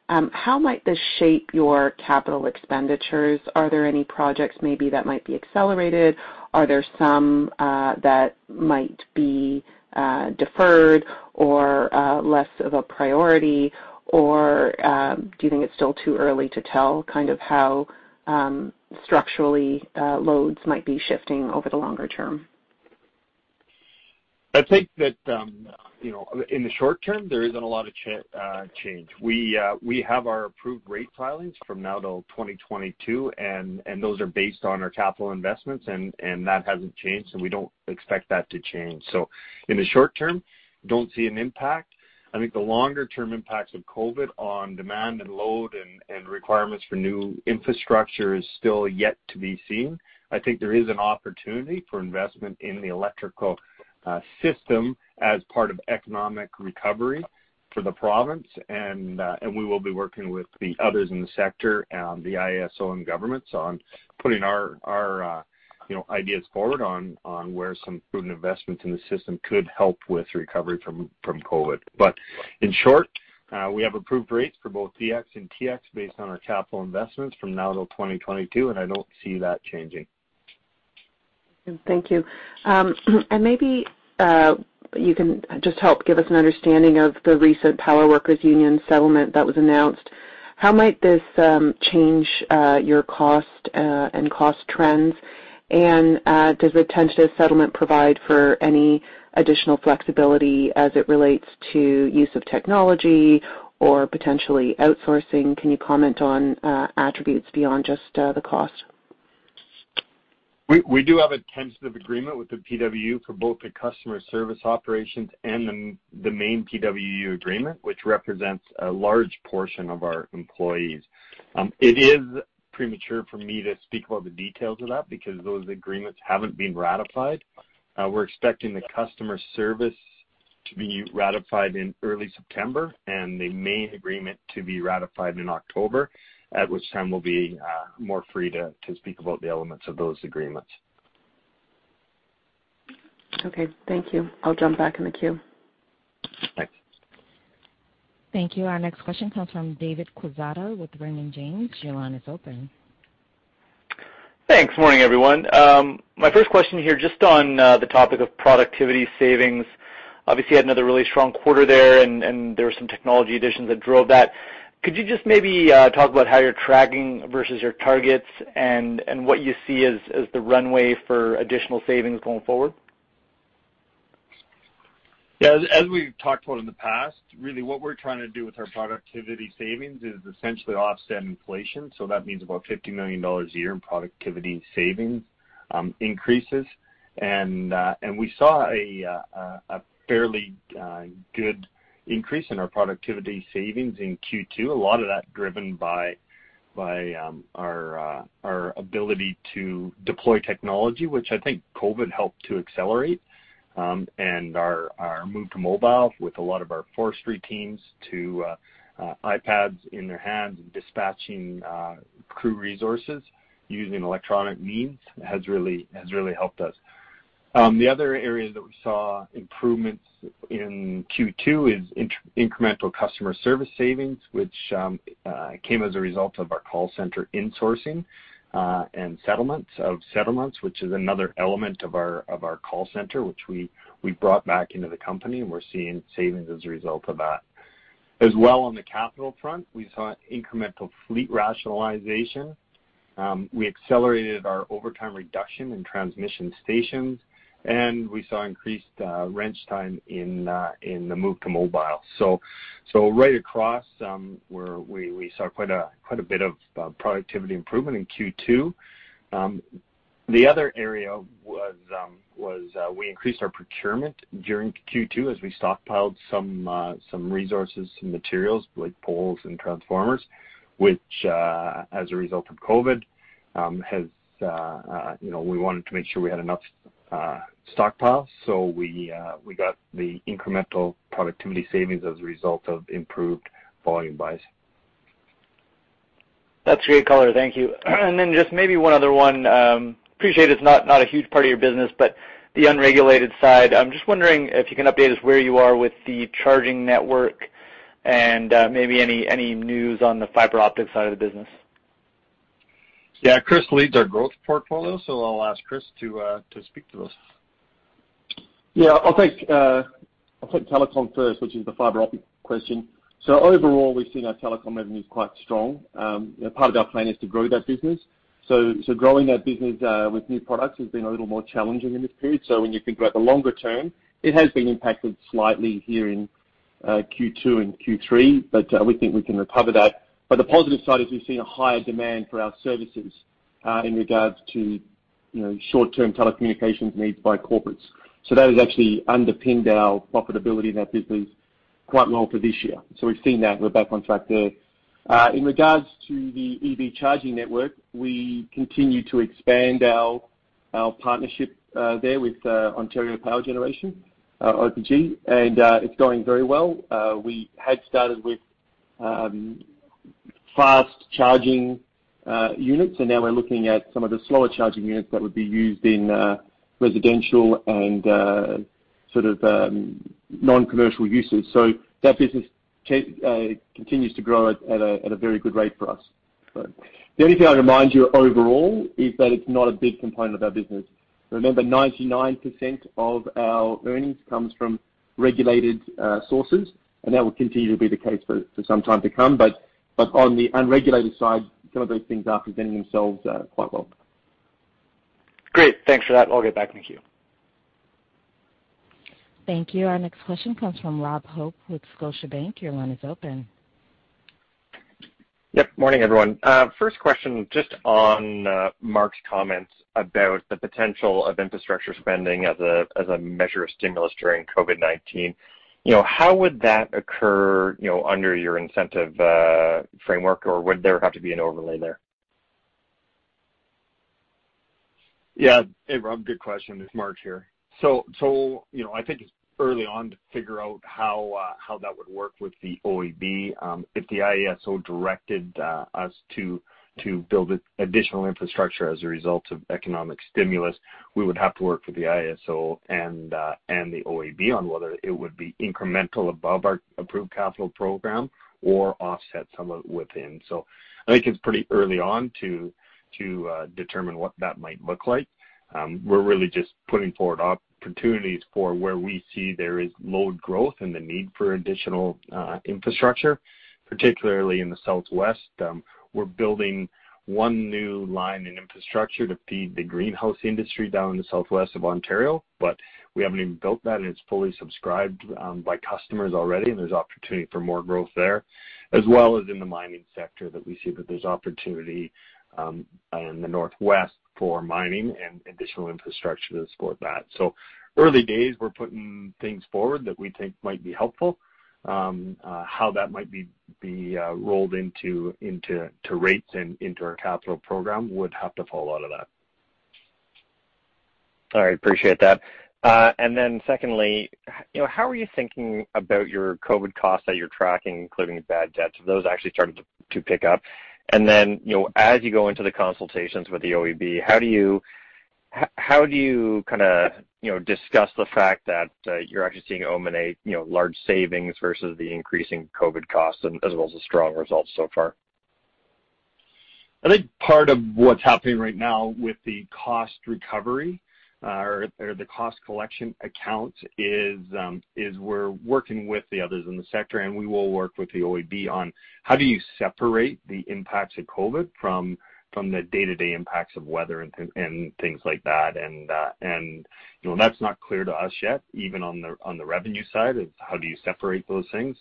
how might this shape your capital expenditures? Are there any projects maybe that might be accelerated? Are there some that might be deferred or less of a priority? Do you think it's still too early to tell how structurally loads might be shifting over the longer term? I think that in the short term, there isn't a lot of change. We have our approved rate filings from now till 2022, and those are based on our capital investments, and that hasn't changed, and we don't expect that to change. In the short term, don't see an impact. I think the longer-term impacts of COVID on demand and load and requirements for new infrastructure is still yet to be seen. I think there is an opportunity for investment in the electrical system as part of economic recovery for the province, and we will be working with the others in the sector, the IESO and governments on putting our ideas forward on where some prudent investments in the system could help with recovery from COVID. In short, we have approved rates for both DX and TX based on our capital investments from now till 2022, and I don't see that changing. Thank you. Maybe you can just help give us an understanding of the recent Power Workers' Union settlement that was announced. How might this change your cost and cost trends? Does the tentative settlement provide for any additional flexibility as it relates to use of technology or potentially outsourcing? Can you comment on attributes beyond just the cost? We do have a tentative agreement with the PWU for both the customer service operations and the main PWU agreement, which represents a large portion of our employees. It is premature for me to speak about the details of that because those agreements haven't been ratified. We're expecting the customer service to be ratified in early September and the main agreement to be ratified in October, at which time we'll be more free to speak about the elements of those agreements. Okay. Thank you. I'll jump back in the queue. Thanks. Thank you. Our next question comes from David Quezada with Raymond James. Your line is open. Thanks. Morning, everyone. My first question here, just on the topic of productivity savings. Obviously, you had another really strong quarter there, and there were some technology additions that drove that. Could you just maybe talk about how you're tracking versus your targets and what you see as the runway for additional savings going forward? As we've talked about in the past, really what we are trying to do with our productivity savings is essentially offset inflation. That means about 50 million dollars a year in productivity savings increases. We saw a fairly good increase in our productivity savings in Q2. A lot of that driven by our ability to deploy technology, which I think COVID-19 helped to accelerate, and our move to mobile with a lot of our forestry teams to iPads in their hands and dispatching crew resources using electronic means has really helped us. The other areas that we saw improvements in Q2 is incremental customer service savings, which came as a result of our call center insourcing, and settlements of settlements, which is another element of our call center, which we brought back into the company, and we're seeing savings as a result of that. On the capital front, we saw incremental fleet rationalization. We accelerated our overtime reduction in transmission stations, and we saw increased wrench time in the move to mobile. Right across, we saw quite a bit of productivity improvement in Q2. The other area was we increased our procurement during Q2 as we stockpiled some resources, some materials like poles and transformers, which, as a result of COVID, we wanted to make sure we had enough stockpile. We got the incremental productivity savings as a result of improved volume buys. That's great color. Thank you. Then just maybe one other one. Appreciate it's not a huge part of your business, but the unregulated side. I'm just wondering if you can update us where you are with the charging network and maybe any news on the fiber optic side of the business. Yeah. Chris leads our growth portfolio, so I'll ask Chris to speak to those. Yeah. I'll take telecom first, which is the fiber optic question. Overall, we've seen our telecom revenues quite strong. Part of our plan is to grow that business. Growing that business with new products has been a little more challenging in this period. When you think about the longer term, it has been impacted slightly here in Q2 and Q3, but we think we can recover that. The positive side is we've seen a higher demand for our services in regards to short-term telecommunications needs by corporates. That has actually underpinned our profitability in that business quite well for this year. We've seen that. We're back on track there. In regards to the EV charging network, we continue to expand our partnership there with Ontario Power Generation, OPG, and it's going very well. We had started with fast-charging units. Now we're looking at some of the slower-charging units that would be used in residential and non-commercial uses. That business continues to grow at a very good rate for us. The only thing I'd remind you of overall is that it's not a big component of our business. Remember, 99% of our earnings comes from regulated sources, and that will continue to be the case for some time to come. On the unregulated side, some of those things are presenting themselves quite well. Great. Thanks for that. I'll get back in the queue. Thank you. Our next question comes from Robert Hope with Scotiabank. Your line is open. Yep. Morning, everyone. First question, just on Mark's comments about the potential of infrastructure spending as a measure of stimulus during COVID-19. How would that occur under your incentive framework, or would there have to be an overlay there? Yeah. Hey, Robert. Good question. It's Mark here. I think it's early on to figure out how that would work with the OEB. If the IESO directed us to build additional infrastructure as a result of economic stimulus, we would have to work with the IESO and the OEB on whether it would be incremental above our approved capital program or offset some of it within. I think it's pretty early on to determine what that might look like. We're really just putting forward opportunities for where we see there is load growth and the need for additional infrastructure, particularly in the southwest. We're building one new line in infrastructure to feed the greenhouse industry down in the southwest of Ontario, we haven't even built that and it's fully subscribed by customers already, and there's opportunity for more growth there. In the mining sector that we see that there's opportunity in the northwest for mining and additional infrastructure to support that. Early days, we're putting things forward that we think might be helpful. How that might be rolled into rates and into our capital program would have to fall out of that. All right. Appreciate that. Secondly, how are you thinking about your COVID costs that you're tracking, including bad debts? Have those actually started to pick up? As you go into the consultations with the OEB, how do you discuss the fact that you're actually seeing, I'll nominate large savings versus the increasing COVID costs as well as the strong results so far? I think part of what's happening right now with the cost recovery or the cost collection account is we're working with the others in the sector, and we will work with the OEB on how do you separate the impacts of COVID from the day-to-day impacts of weather and things like that. That's not clear to us yet, even on the revenue side of how do you separate those things.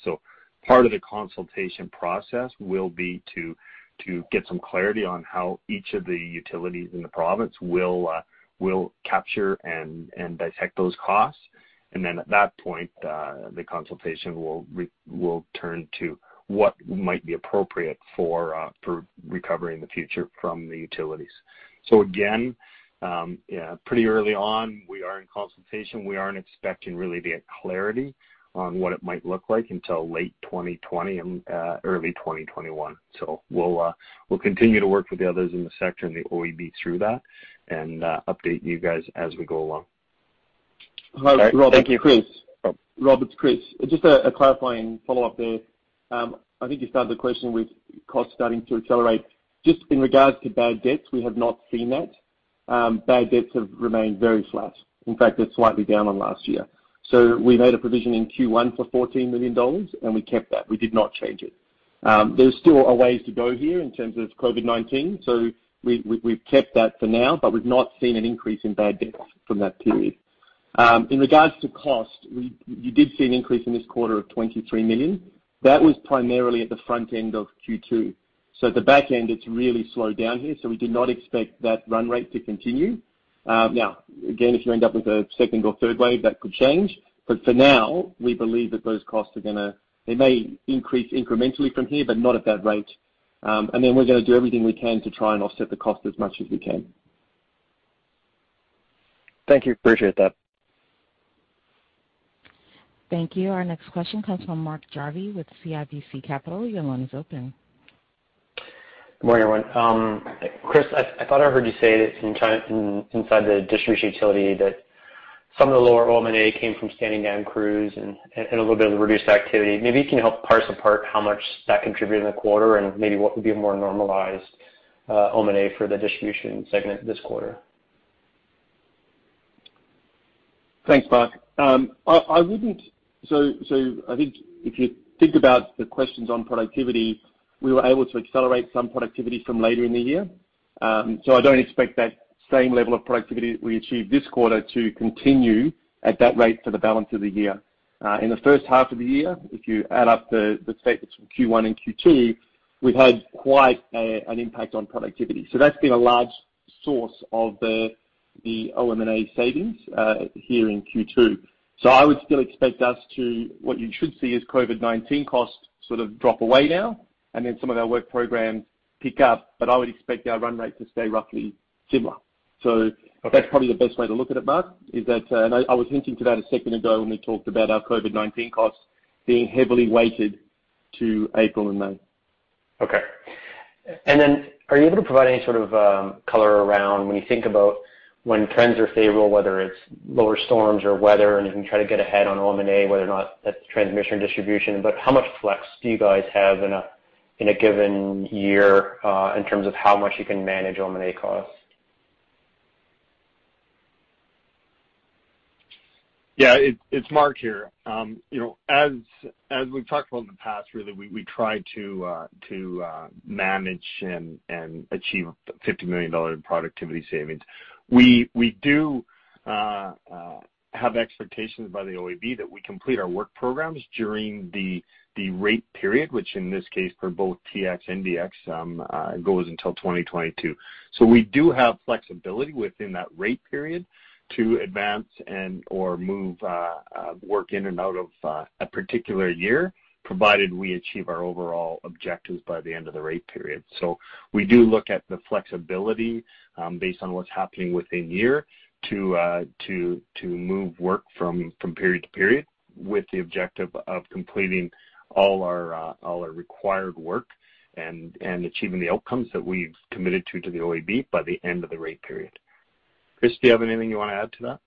Part of the consultation process will be to get some clarity on how each of the utilities in the province will capture and dissect those costs. At that point, the consultation will turn to what might be appropriate for recovery in the future from the utilities. Again, pretty early on, we are in consultation. We aren't expecting really to get clarity on what it might look like until late 2020 and early 2021. We'll continue to work with the others in the sector and the OEB through that and update you guys as we go along. Hi, Robert. It's Chris. Just a clarifying follow-up there. I think you started the question with costs starting to accelerate. Just in regards to bad debts, we have not seen that. Bad debts have remained very flat. In fact, they're slightly down on last year. We made a provision in Q1 for CAD 14 million, and we kept that. We did not change it. There still are ways to go here in terms of COVID, so we've kept that for now, but we've not seen an increase in bad debts from that period. In regards to cost, you did see an increase in this quarter of 23 million. That was primarily at the front end of Q2. At the back end, it's really slowed down here, so we do not expect that run rate to continue. Again, if you end up with a second or third wave, that could change. For now, we believe that those costs may increase incrementally from here, but not at that rate. Then we're going to do everything we can to try and offset the cost as much as we can. Thank you. Appreciate that. Thank you. Our next question comes from Mark Jarvi with CIBC Capital. Your line is open. Good morning, everyone. Chris, I thought I heard you say that inside the distribution utility that some of the lower OM&A came from standing down crews and a little bit of the reduced activity. Maybe you can help parse apart how much that contributed in the quarter and maybe what would be a more normalized OM&A for the distribution segment this quarter. Thanks, Mark. I think if you think about the questions on productivity, we were able to accelerate some productivity from later in the year. I don't expect that same level of productivity that we achieved this quarter to continue at that rate for the balance of the year. In the first half of the year, if you add up the statements from Q1 and Q2, we've had quite an impact on productivity. That's been a large source of the OM&A savings here in Q2. I would still expect us what you should see is COVID-19 costs sort of drop away now and then some of our work programs pick up, but I would expect our run rate to stay roughly similar. That's probably the best way to look at it, Mark, is that, and I was hinting to that a second ago when we talked about our COVID-19 costs being heavily weighted to April and May. Okay. Are you able to provide any sort of color around when you think about when trends are favorable, whether it's lower storms or weather, and you can try to get ahead on OM&A, whether or not that's transmission or distribution, but how much flex do you guys have in a given year, in terms of how much you can manage OM&A costs? Yeah. It's Mark here. As we've talked about in the past, really, we try to manage and achieve 50 million dollars in productivity savings. We do have expectations by the OEB that we complete our work programs during the rate period, which in this case, for both TX and DX, goes until 2022. We do have flexibility within that rate period to advance and/or move work in and out of a particular year, provided we achieve our overall objectives by the end of the rate period. We do look at the flexibility, based on what's happening within year, to move work from period to period with the objective of completing all our required work and achieving the outcomes that we've committed to the OEB by the end of the rate period. Chris, do you have anything you want to add to that?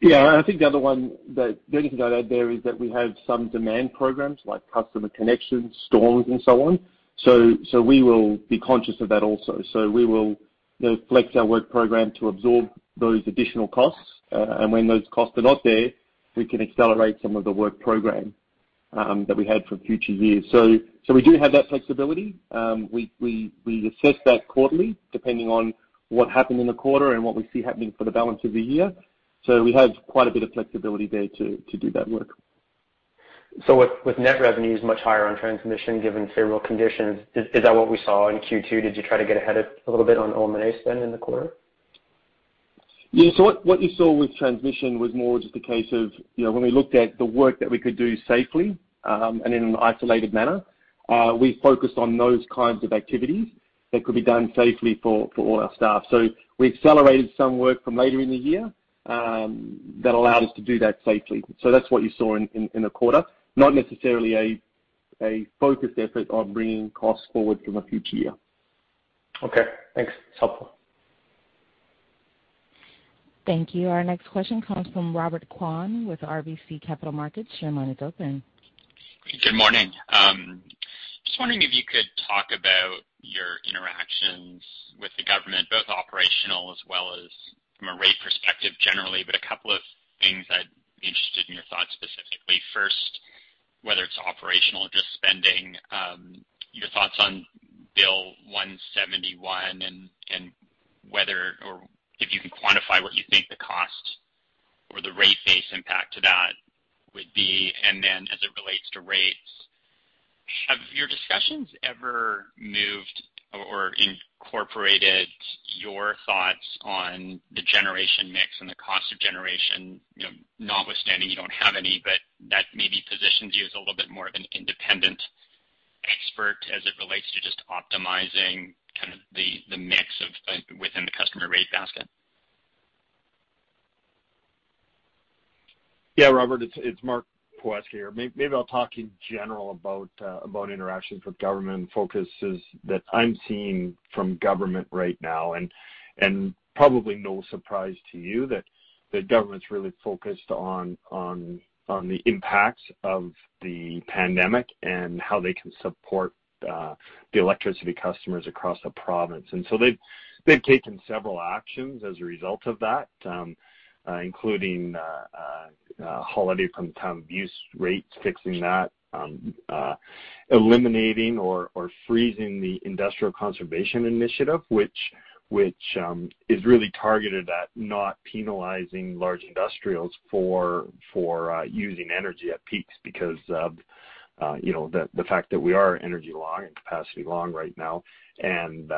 Yeah. I think the only thing I'd add there is that we have some demand programs, like customer connections, storms, and so on. We will be conscious of that also. We will flex our work program to absorb those additional costs. When those costs are not there, we can accelerate some of the work program that we had for future years. We do have that flexibility. We assess that quarterly, depending on what happened in the quarter and what we see happening for the balance of the year. We have quite a bit of flexibility there to do that work. With net revenues much higher on transmission given favorable conditions, is that what we saw in Q2? Did you try to get ahead a little bit on OM&A spend in the quarter? What you saw with transmission was more just a case of when we looked at the work that we could do safely, and in an isolated manner, we focused on those kinds of activities that could be done safely for all our staff. We accelerated some work from later in the year that allowed us to do that safely. That's what you saw in the quarter, not necessarily a focused effort on bringing costs forward from a future year. Okay. Thanks. It's helpful. Thank you. Our next question comes from Robert Kwan with RBC Capital Markets. Your line is open. Good morning. Just wondering if you could talk about your interactions with the government, both operational as well as from a rate perspective generally, but a couple of things I'd be interested in your thoughts specifically. First, whether it's operational or just spending, your thoughts on Bill 171 and whether, or if you can quantify what you think the cost or the rate base impact to that would be. As it relates to rates, have your discussions ever moved or incorporated your thoughts on the generation mix and the cost of generation? Notwithstanding you don't have any, but that maybe positions you as a little bit more of an independent expert as it relates to just optimizing the mix within the customer rate basket. Yeah, Robert, it's Mark Poweska here. Maybe I'll talk in general about interactions with government focuses that I'm seeing from government right now. Probably no surprise to you that government's really focused on the impacts of the pandemic and how they can support the electricity customers across the province. They've taken several actions as a result of that, including a holiday from time-of-use rates, fixing that, eliminating or freezing the Industrial Conservation Initiative, which is really targeted at not penalizing large industrials for using energy at peaks because of the fact that we are energy long and capacity long right now and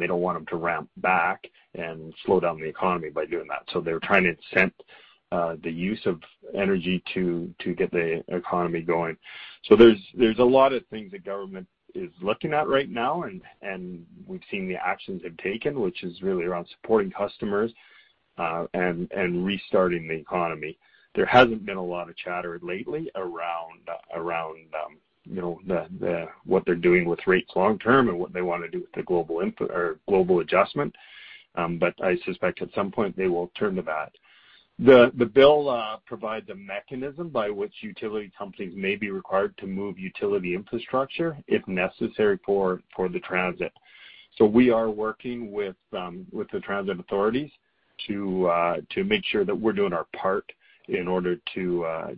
they don't want them to ramp back and slow down the economy by doing that. They're trying to incent the use of energy to get the economy going. There's a lot of things the government is looking at right now, and we've seen the actions they've taken, which is really around supporting customers and restarting the economy. There hasn't been a lot of chatter lately around what they're doing with rates long-term and what they want to do with the global adjustment. I suspect at some point they will turn to that. The bill provides a mechanism by which utility companies may be required to move utility infrastructure if necessary for the transit. We are working with the transit authorities to make sure that we're doing our part in order to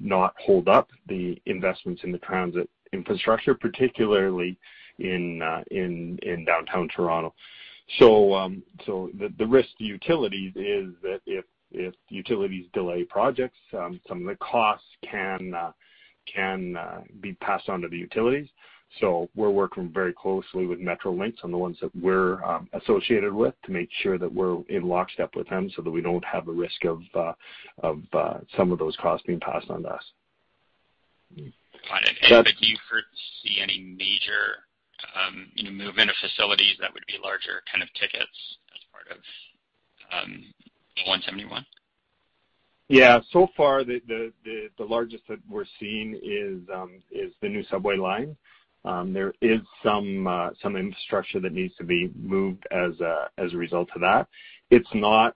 not hold up the investments in the transit infrastructure, particularly in Downtown Toronto. The risk to utilities is that if utilities delay projects, some of the costs can be passed on to the utilities. We're working very closely with Metrolinx on the ones that we're associated with to make sure that we're in lockstep with them so that we don't have a risk of some of those costs being passed on to us. Got it. Have you see any major movement of facilities that would be larger kind of tickets as part of Bill 171? Yeah. Far, the largest that we're seeing is the new subway line. There is some infrastructure that needs to be moved as a result of that. It's not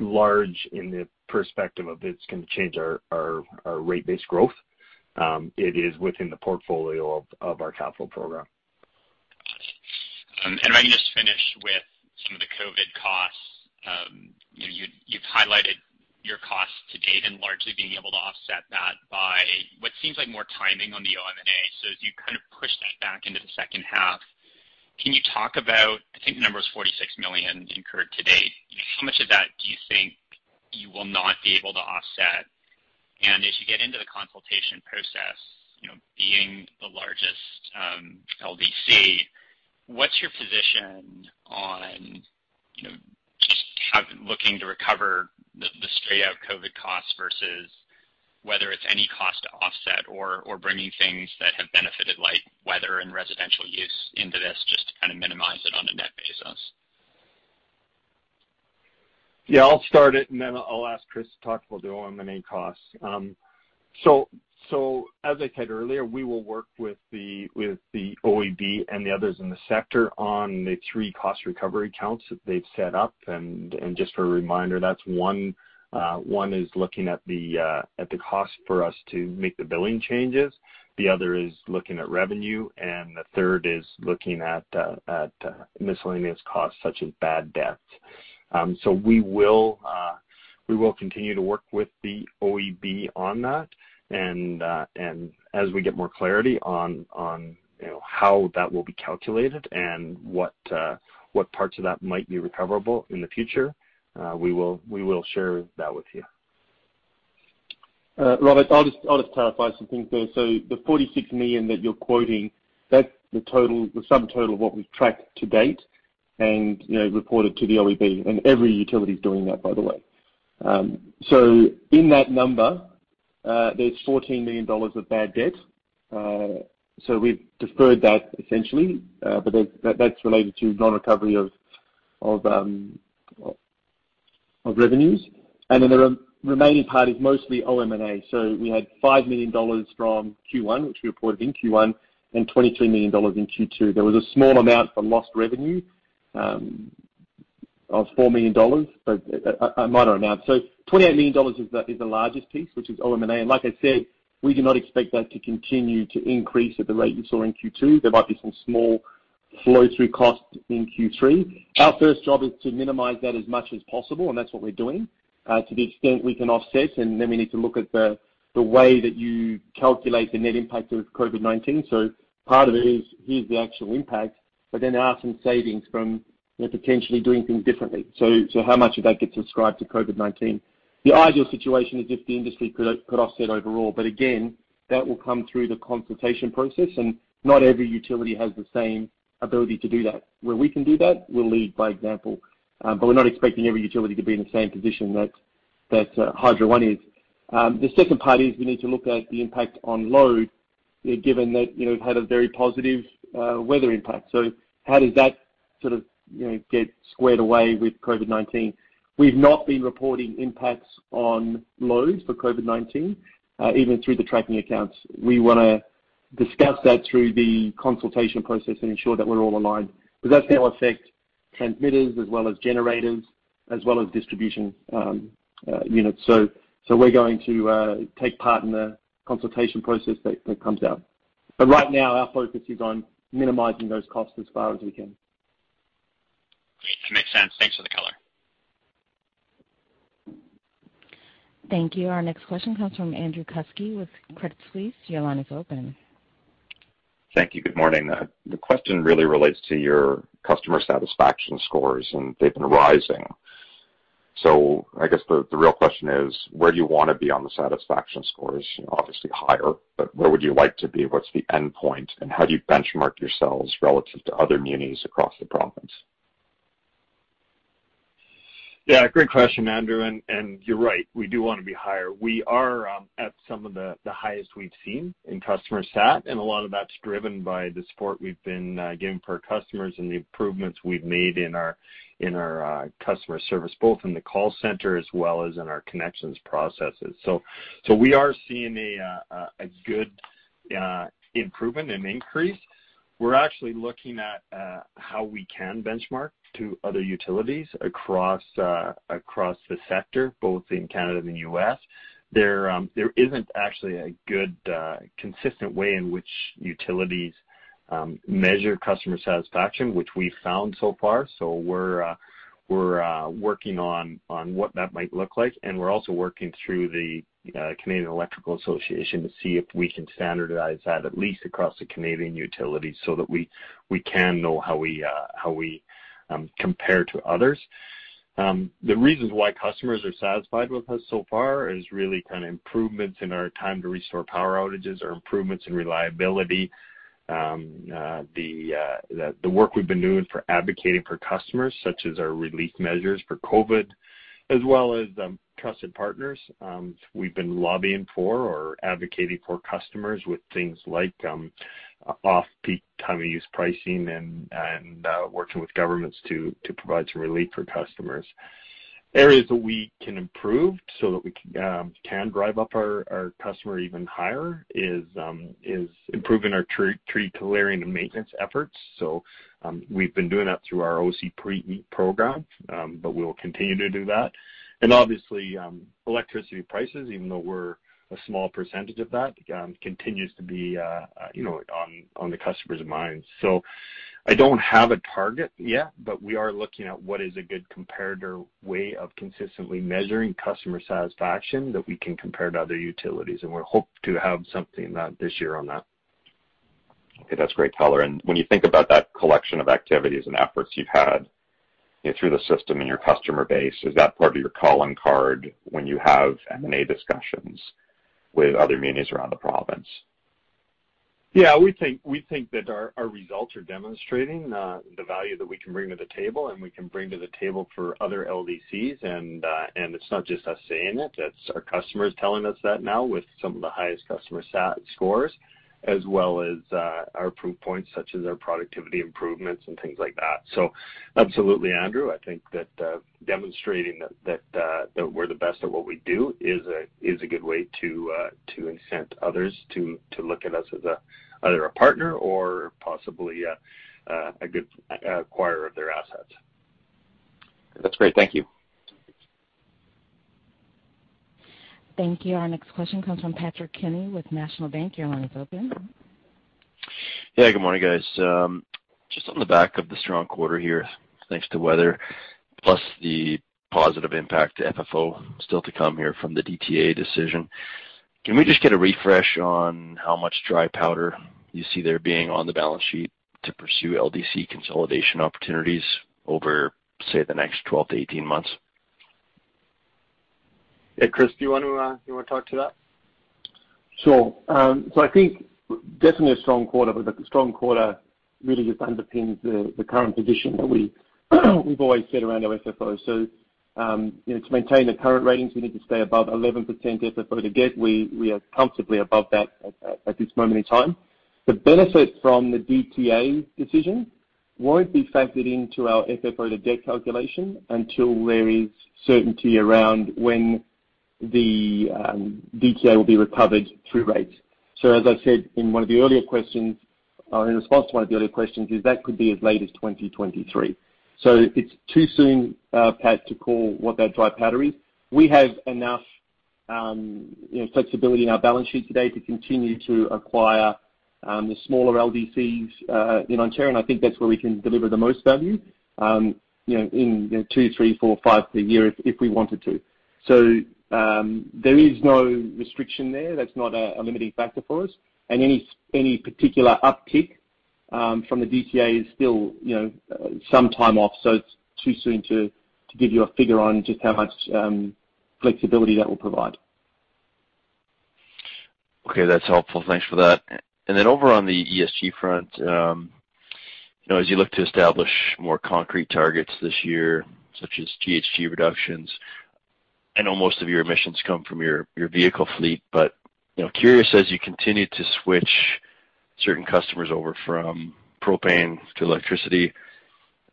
large in the perspective of it's going to change our rate base growth. It is within the portfolio of our capital program. Got it. Let me just finish with some of the COVID costs. You've highlighted your costs to date and largely being able to offset that by what seems like more timing on the OM&A. As you kind of push that back into the second half, can you talk about, I think the number is 46 million incurred to date. How much of that do you think you will not be able to offset? As you get into the consultation process, being the largest LDC, what's your position on looking to recover the straight out COVID costs versus whether it's any cost to offset or bringing things that have benefited, like weather and residential use into this, just to kind of minimize it on a net basis? Yeah, I'll start it, and then I'll ask Chris to talk about the OM&A costs. As I said earlier, we will work with the OEB and the others in the sector on the three cost recovery counts that they've set up. Just a reminder, one is looking at the cost for us to make the billing changes, the other is looking at revenue, and the third is looking at miscellaneous costs such as bad debts. We will continue to work with the OEB on that and as we get more clarity on how that will be calculated and what parts of that might be recoverable in the future, we will share that with you. Robert, I'll just clarify some things there. The 46 million that you're quoting, that's the subtotal of what we've tracked to date and reported to the OEB. Every utility is doing that, by the way. In that number, there's 14 million dollars of bad debt. We've deferred that essentially. That's related to non-recovery of revenues, and then the remaining part is mostly OM&A. We had 5 million dollars from Q1, which we reported in Q1, and 22 million dollars in Q2. There was a small amount for lost revenue of 4 million dollars, but a minor amount. 28 million dollars is the largest piece, which is OM&A. Like I said, we do not expect that to continue to increase at the rate you saw in Q2. There might be some small flow-through costs in Q3. Our first job is to minimize that as much as possible, and that's what we're doing. To the extent we can offset, we need to look at the way that you calculate the net impact of COVID-19. Part of it is the actual impact, but then there are some savings from potentially doing things differently. How much of that gets ascribed to COVID-19? The ideal situation is if the industry could offset overall, but again, that will come through the consultation process, and not every utility has the same ability to do that. Where we can do that, we'll lead by example. We're not expecting every utility to be in the same position that Hydro One is. The second part is we need to look at the impact on load. Given that we've had a very positive weather impact. How does that sort of get squared away with COVID-19? We've not been reporting impacts on loads for COVID-19, even through the tracking accounts. We want to discuss that through the consultation process and ensure that we're all aligned, because that's going to affect transmitters as well as generators, as well as distribution units. We're going to take part in the consultation process that comes out. Right now, our focus is on minimizing those costs as far as we can. Makes sense. Thanks for the color. Thank you. Our next question comes from Andrew Kuske with Credit Suisse. Your line is open. Thank you. Good morning. The question really relates to your customer satisfaction scores, and they've been rising. I guess the real question is, where do you want to be on the satisfaction scores? Obviously higher, where would you like to be? What's the endpoint, how do you benchmark yourselves relative to other munis across the province? Yeah, great question, Andrew. You're right, we do want to be higher. We are at some of the highest we've seen in customer sat, and a lot of that's driven by the support we've been giving for our customers and the improvements we've made in our customer service, both in the call center as well as in our connections processes. We are seeing a good improvement and increase. We're actually looking at how we can benchmark to other utilities across the sector, both in Canada and U.S. There isn't actually a good, consistent way in which utilities measure customer satisfaction, which we've found so far. We're working on what that might look like, and we're also working through the Canadian Electrical Association to see if we can standardize that, at least across the Canadian utilities, so that we can know how we compare to others. The reasons why customers are satisfied with us so far is really kind of improvements in our time to restore power outages or improvements in reliability. The work we've been doing for advocating for customers, such as our relief measures for COVID-19, as well as trusted partners we've been lobbying for or advocating for customers with things like off-peak time of use pricing and working with governments to provide some relief for customers. Areas that we can improve so that we can drive up our customer even higher is improving our tree clearing and maintenance efforts. We've been doing that through our OC&PRE program, we'll continue to do that. Obviously, electricity prices, even though we're a small percentage of that, continues to be on the customers' minds. I don't have a target yet, but we are looking at what is a good comparator way of consistently measuring customer satisfaction that we can compare to other utilities, and we hope to have something this year on that. Okay. That's great color. When you think about that collection of activities and efforts you've had through the system and your customer base, is that part of your calling card when you have M&A discussions with other munis around the province? Yeah, we think that our results are demonstrating the value that we can bring to the table and we can bring to the table for other LDCs. It's not just us saying it, that's our customers telling us that now with some of the highest customer sat scores, as well as our proof points such as our productivity improvements and things like that. Absolutely, Andrew, I think that demonstrating that we're the best at what we do is a good way to incent others to look at us as either a partner or possibly a good acquirer of their assets. That's great. Thank you. Thank you. Our next question comes from Patrick Kenny with National Bank. Your line is open. Good morning, guys. Just on the back of the strong quarter here, thanks to weather, plus the positive impact to FFO still to come here from the DTA decision. Can we just get a refresh on how much dry powder you see there being on the balance sheet to pursue LDC consolidation opportunities over, say, the next 12-18 months? Yeah, Chris, do you want to talk to that? Sure. I think definitely a strong quarter, but the strong quarter really just underpins the current position that we've always set around our FFO. To maintain the current ratings, we need to stay above 11% FFO to debt. We are comfortably above that at this moment in time. The benefit from the DTA decision won't be factored into our FFO to debt calculation until there is certainty around when the DTA will be recovered through rates. As I said in one of the earlier questions, that could be as late as 2023. It's too soon, Pat, to call what that dry powder is. We have enough flexibility in our balance sheet today to continue to acquire the smaller LDCs in Ontario. I think that's where we can deliver the most value in two, three, four, five per year if we wanted to. There is no restriction there. That's not a limiting factor for us. Any particular uptick from the DTA is still some time off. It's too soon to give you a figure on just how much flexibility that will provide. Okay, that's helpful. Thanks for that. Over on the ESG front. As you look to establish more concrete targets this year, such as GHG reductions, I know most of your emissions come from your vehicle fleet. Curious, as you continue to switch certain customers over from propane to electricity,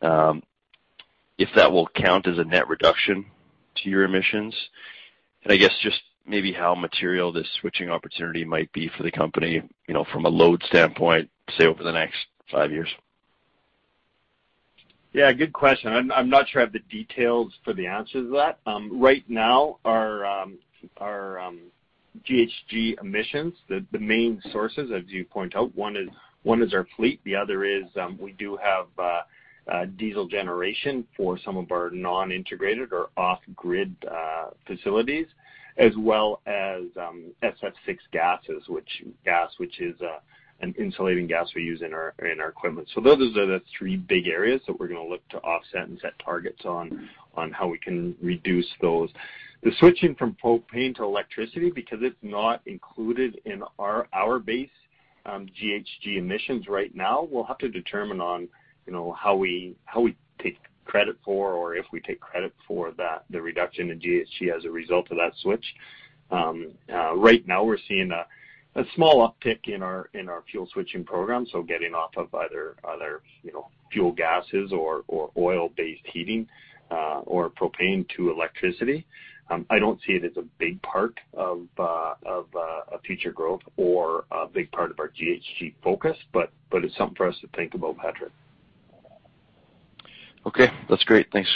if that will count as a net reduction to your emissions. I guess just maybe how material this switching opportunity might be for the company from a load standpoint, say, over the next five years. Yeah, good question. I'm not sure I have the details for the answer to that. Right now, our GHG emissions, the main sources, as you point out, one is our fleet, the other is we do have diesel generation for some of our non-integrated or off-grid facilities, as well as SF6 gas, which is an insulating gas we use in our equipment. Those are the three big areas that we're going to look to offset and set targets on how we can reduce those. The switching from propane to electricity, because it's not included in our base GHG emissions right now, we'll have to determine on how we take credit for, or if we take credit for the reduction in GHG as a result of that switch. Right now, we're seeing a small uptick in our fuel-switching program, so getting off of other fuel gases or oil-based heating or propane to electricity. I don't see it as a big part of our future growth or a big part of our GHG focus. It's something for us to think about, Patrick. Okay. That's great. Thanks.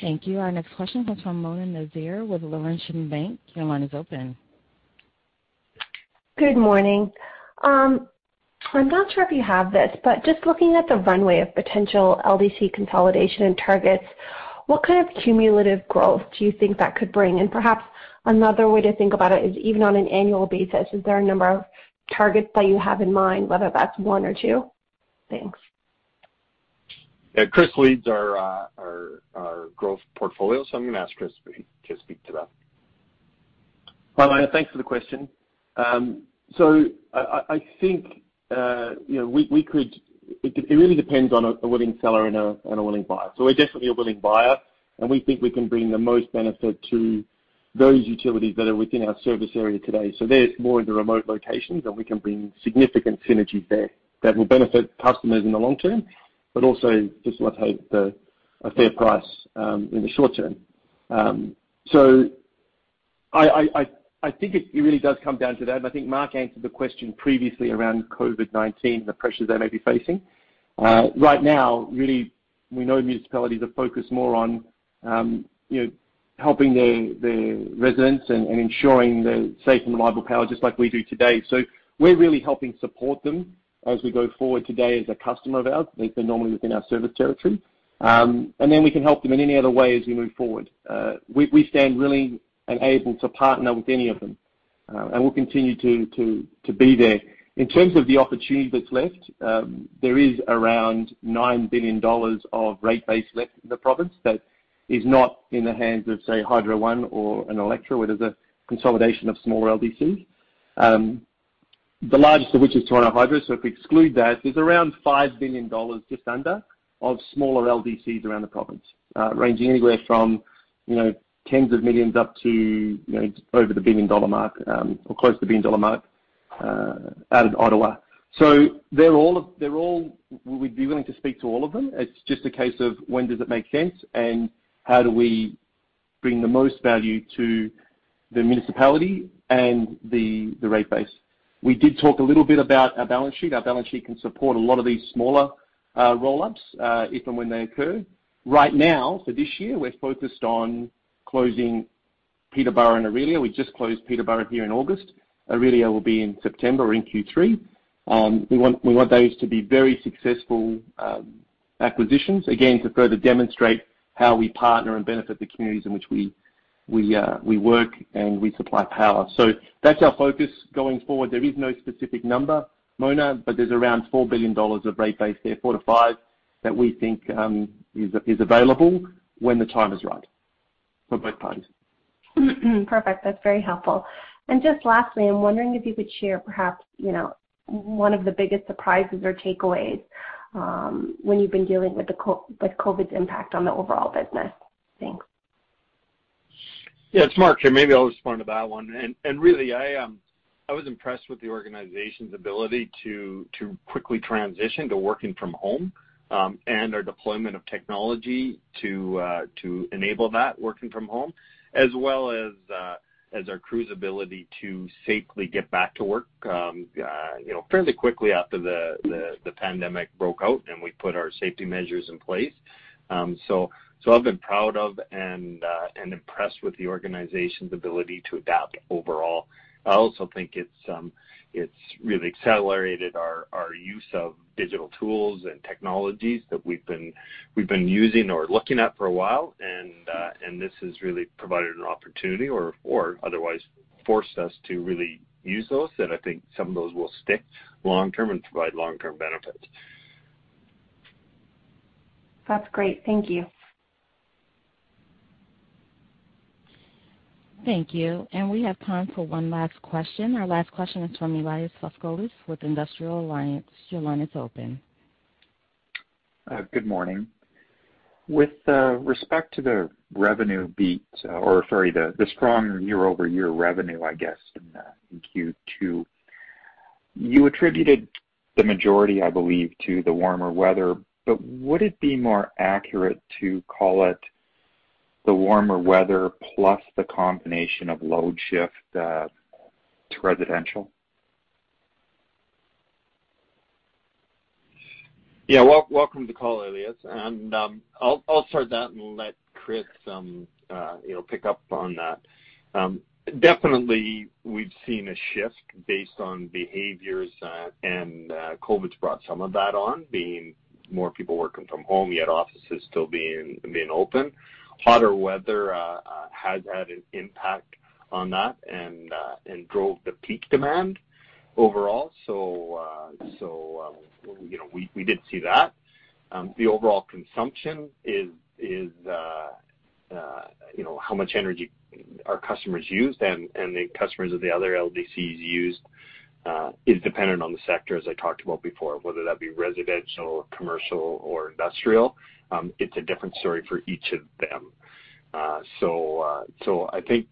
Thank you. Our next question comes from Mona Nazir with Laurentian Bank. Your line is open. Good morning. I'm not sure if you have this, just looking at the runway of potential LDC consolidation and targets, what kind of cumulative growth do you think that could bring? Perhaps another way to think about it is even on an annual basis, is there a number of targets that you have in mind, whether that's one or two? Thanks. Yeah. Chris leads our growth portfolio. I'm going to ask Chris to speak to that. Hi, Mona. Thanks for the question. I think it really depends on a willing seller and a willing buyer. We're definitely a willing buyer, and we think we can bring the most benefit to those utilities that are within our service area today. They're more in the remote locations, and we can bring significant synergies there that will benefit customers in the long term, but also just let's hope a fair price in the short term. I think it really does come down to that, and I think Mark answered the question previously around COVID-19 and the pressures they may be facing. Right now, really, we know municipalities are focused more on helping their residents and ensuring the safe and reliable power, just like we do today. We're really helping support them as we go forward today as a customer of ours. They've been normally within our service territory. We can help them in any other way as we move forward. We stand really and able to partner with any of them. We'll continue to be there. In terms of the opportunity that's left, there is around 9 billion dollars of rate base left in the province that is not in the hands of, say, Hydro One or Alectra, where there's a consolidation of smaller LDCs. The largest of which is Toronto Hydro, so if we exclude that, there's around 5 billion dollars, just under, of smaller LDCs around the province, ranging anywhere from tens of millions up to over the billion-dollar mark or close to the billion-dollar mark out of Ottawa. We'd be willing to speak to all of them. It's just a case of when does it make sense and how do we bring the most value to the municipality and the rate base. We did talk a little bit about our balance sheet. Our balance sheet can support a lot of these smaller roll-ups, if and when they occur. Right now, for this year, we're focused on closing Peterborough and Orillia. We just closed Peterborough here in August. Orillia will be in September or in Q3. We want those to be very successful acquisitions, again, to further demonstrate how we partner and benefit the communities in which we work and we supply power. That's our focus going forward. There is no specific number, Mona, but there's around 4 billion dollars of rate base there, 4 billion-5 billion, that we think is available when the time is right for both parties. Perfect. That's very helpful. Just lastly, I'm wondering if you could share perhaps one of the biggest surprises or takeaways when you've been dealing with COVID's impact on the overall business. Thanks. Yeah. It's Mark here. Maybe I'll respond to that one. Really, I was impressed with the organization's ability to quickly transition to working from home and our deployment of technology to enable that working from home, as well as our crew's ability to safely get back to work fairly quickly after the pandemic broke out and we put our safety measures in place. I've been proud of and impressed with the organization's ability to adapt overall. I also think it's really accelerated our use of digital tools and technologies that we've been using or looking at for a while, and this has really provided an opportunity or otherwise forced us to really use those that I think some of those will stick long-term and provide long-term benefits. That's great. Thank you. Thank you. We have time for one last question. Our last question is from Elias Foscolos with Industrial Alliance. Your line is open. Good morning. With respect to the revenue beat, or sorry, the strong year-over-year revenue, I guess, in Q2, you attributed the majority, I believe, to the warmer weather, but would it be more accurate to call it the warmer weather plus the combination of load shift to residential? Yeah. Welcome to the call, Elias. I'll start that and let Chris pick up on that. Definitely, we've seen a shift based on behaviors, and COVID's brought some of that on, being more people working from home, yet offices still being open. Hotter weather has had an impact on that and drove the peak demand overall. We did see that. The overall consumption is how much energy our customers used and the customers of the other LDCs used is dependent on the sector, as I talked about before, whether that be residential, commercial or industrial. It's a different story for each of them. I think,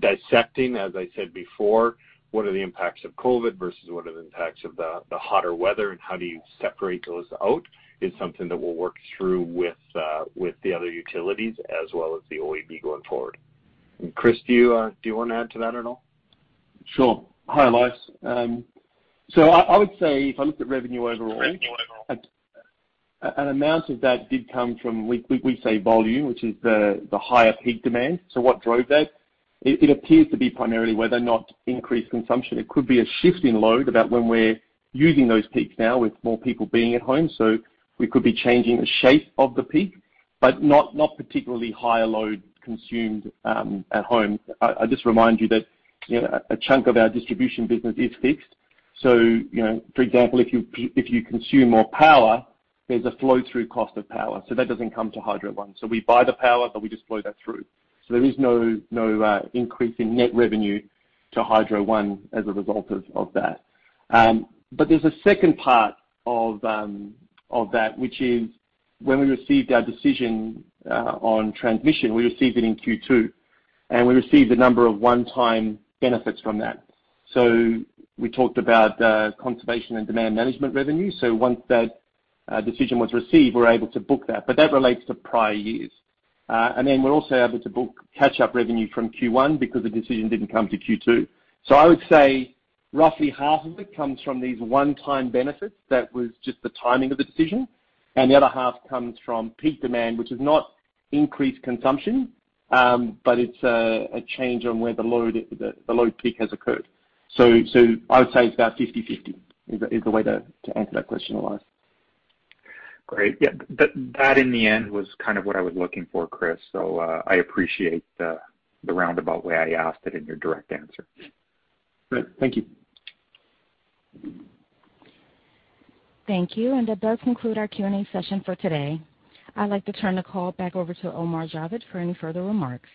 dissecting, as I said before, what are the impacts of COVID versus what are the impacts of the hotter weather and how do you separate those out is something that we'll work through with the other utilities as well as the OEB going forward. Chris, do you want to add to that at all? Sure. Hi, Elias. I would say if I looked at revenue overall, an amount of that did come from, we say, volume, which is the higher peak demand. What drove that? It appears to be primarily weather, not increased consumption. It could be a shift in load about when we're using those peaks now with more people being at home. We could be changing the shape of the peak, but not particularly higher load consumed at home. I just remind you that a chunk of our distribution business is fixed. For example, if you consume more power, there's a flow-through cost of power. That doesn't come to Hydro One. We buy the power, but we just flow that through. There is no increase in net revenue to Hydro One as a result of that. There's a second part of that, which is when we received our decision on transmission, we received it in Q2, and we received a number of one-time benefits from that. We talked about conservation and demand management revenue. Once that decision was received, we're able to book that. That relates to prior years. We're also able to book catch-up revenue from Q1 because the decision didn't come to Q2. I would say roughly half of it comes from these one-time benefits. That was just the timing of the decision, and the other half comes from peak demand, which is not increased consumption, but it's a change on where the load peak has occurred. I would say it's about 50/50, is the way to answer that question, Elias. Great. Yeah. That in the end was kind of what I was looking for, Chris. I appreciate the roundabout way I asked it and your direct answer. Great. Thank you. Thank you. That does conclude our Q&A session for today. I'd like to turn the call back over to Omar Javed for any further remarks.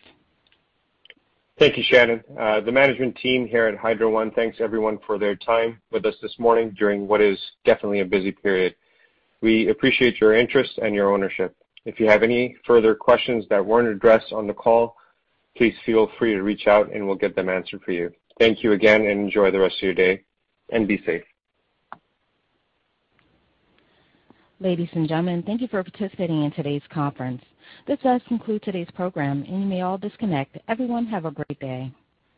Thank you, Shannon. The management team here at Hydro One thanks everyone for their time with us this morning during what is definitely a busy period. We appreciate your interest and your ownership. If you have any further questions that weren't addressed on the call, please feel free to reach out and we'll get them answered for you. Thank you again and enjoy the rest of your day, and be safe. Ladies and gentlemen, thank you for participating in today's conference. This does conclude today's program and you may all disconnect. Everyone have a great day.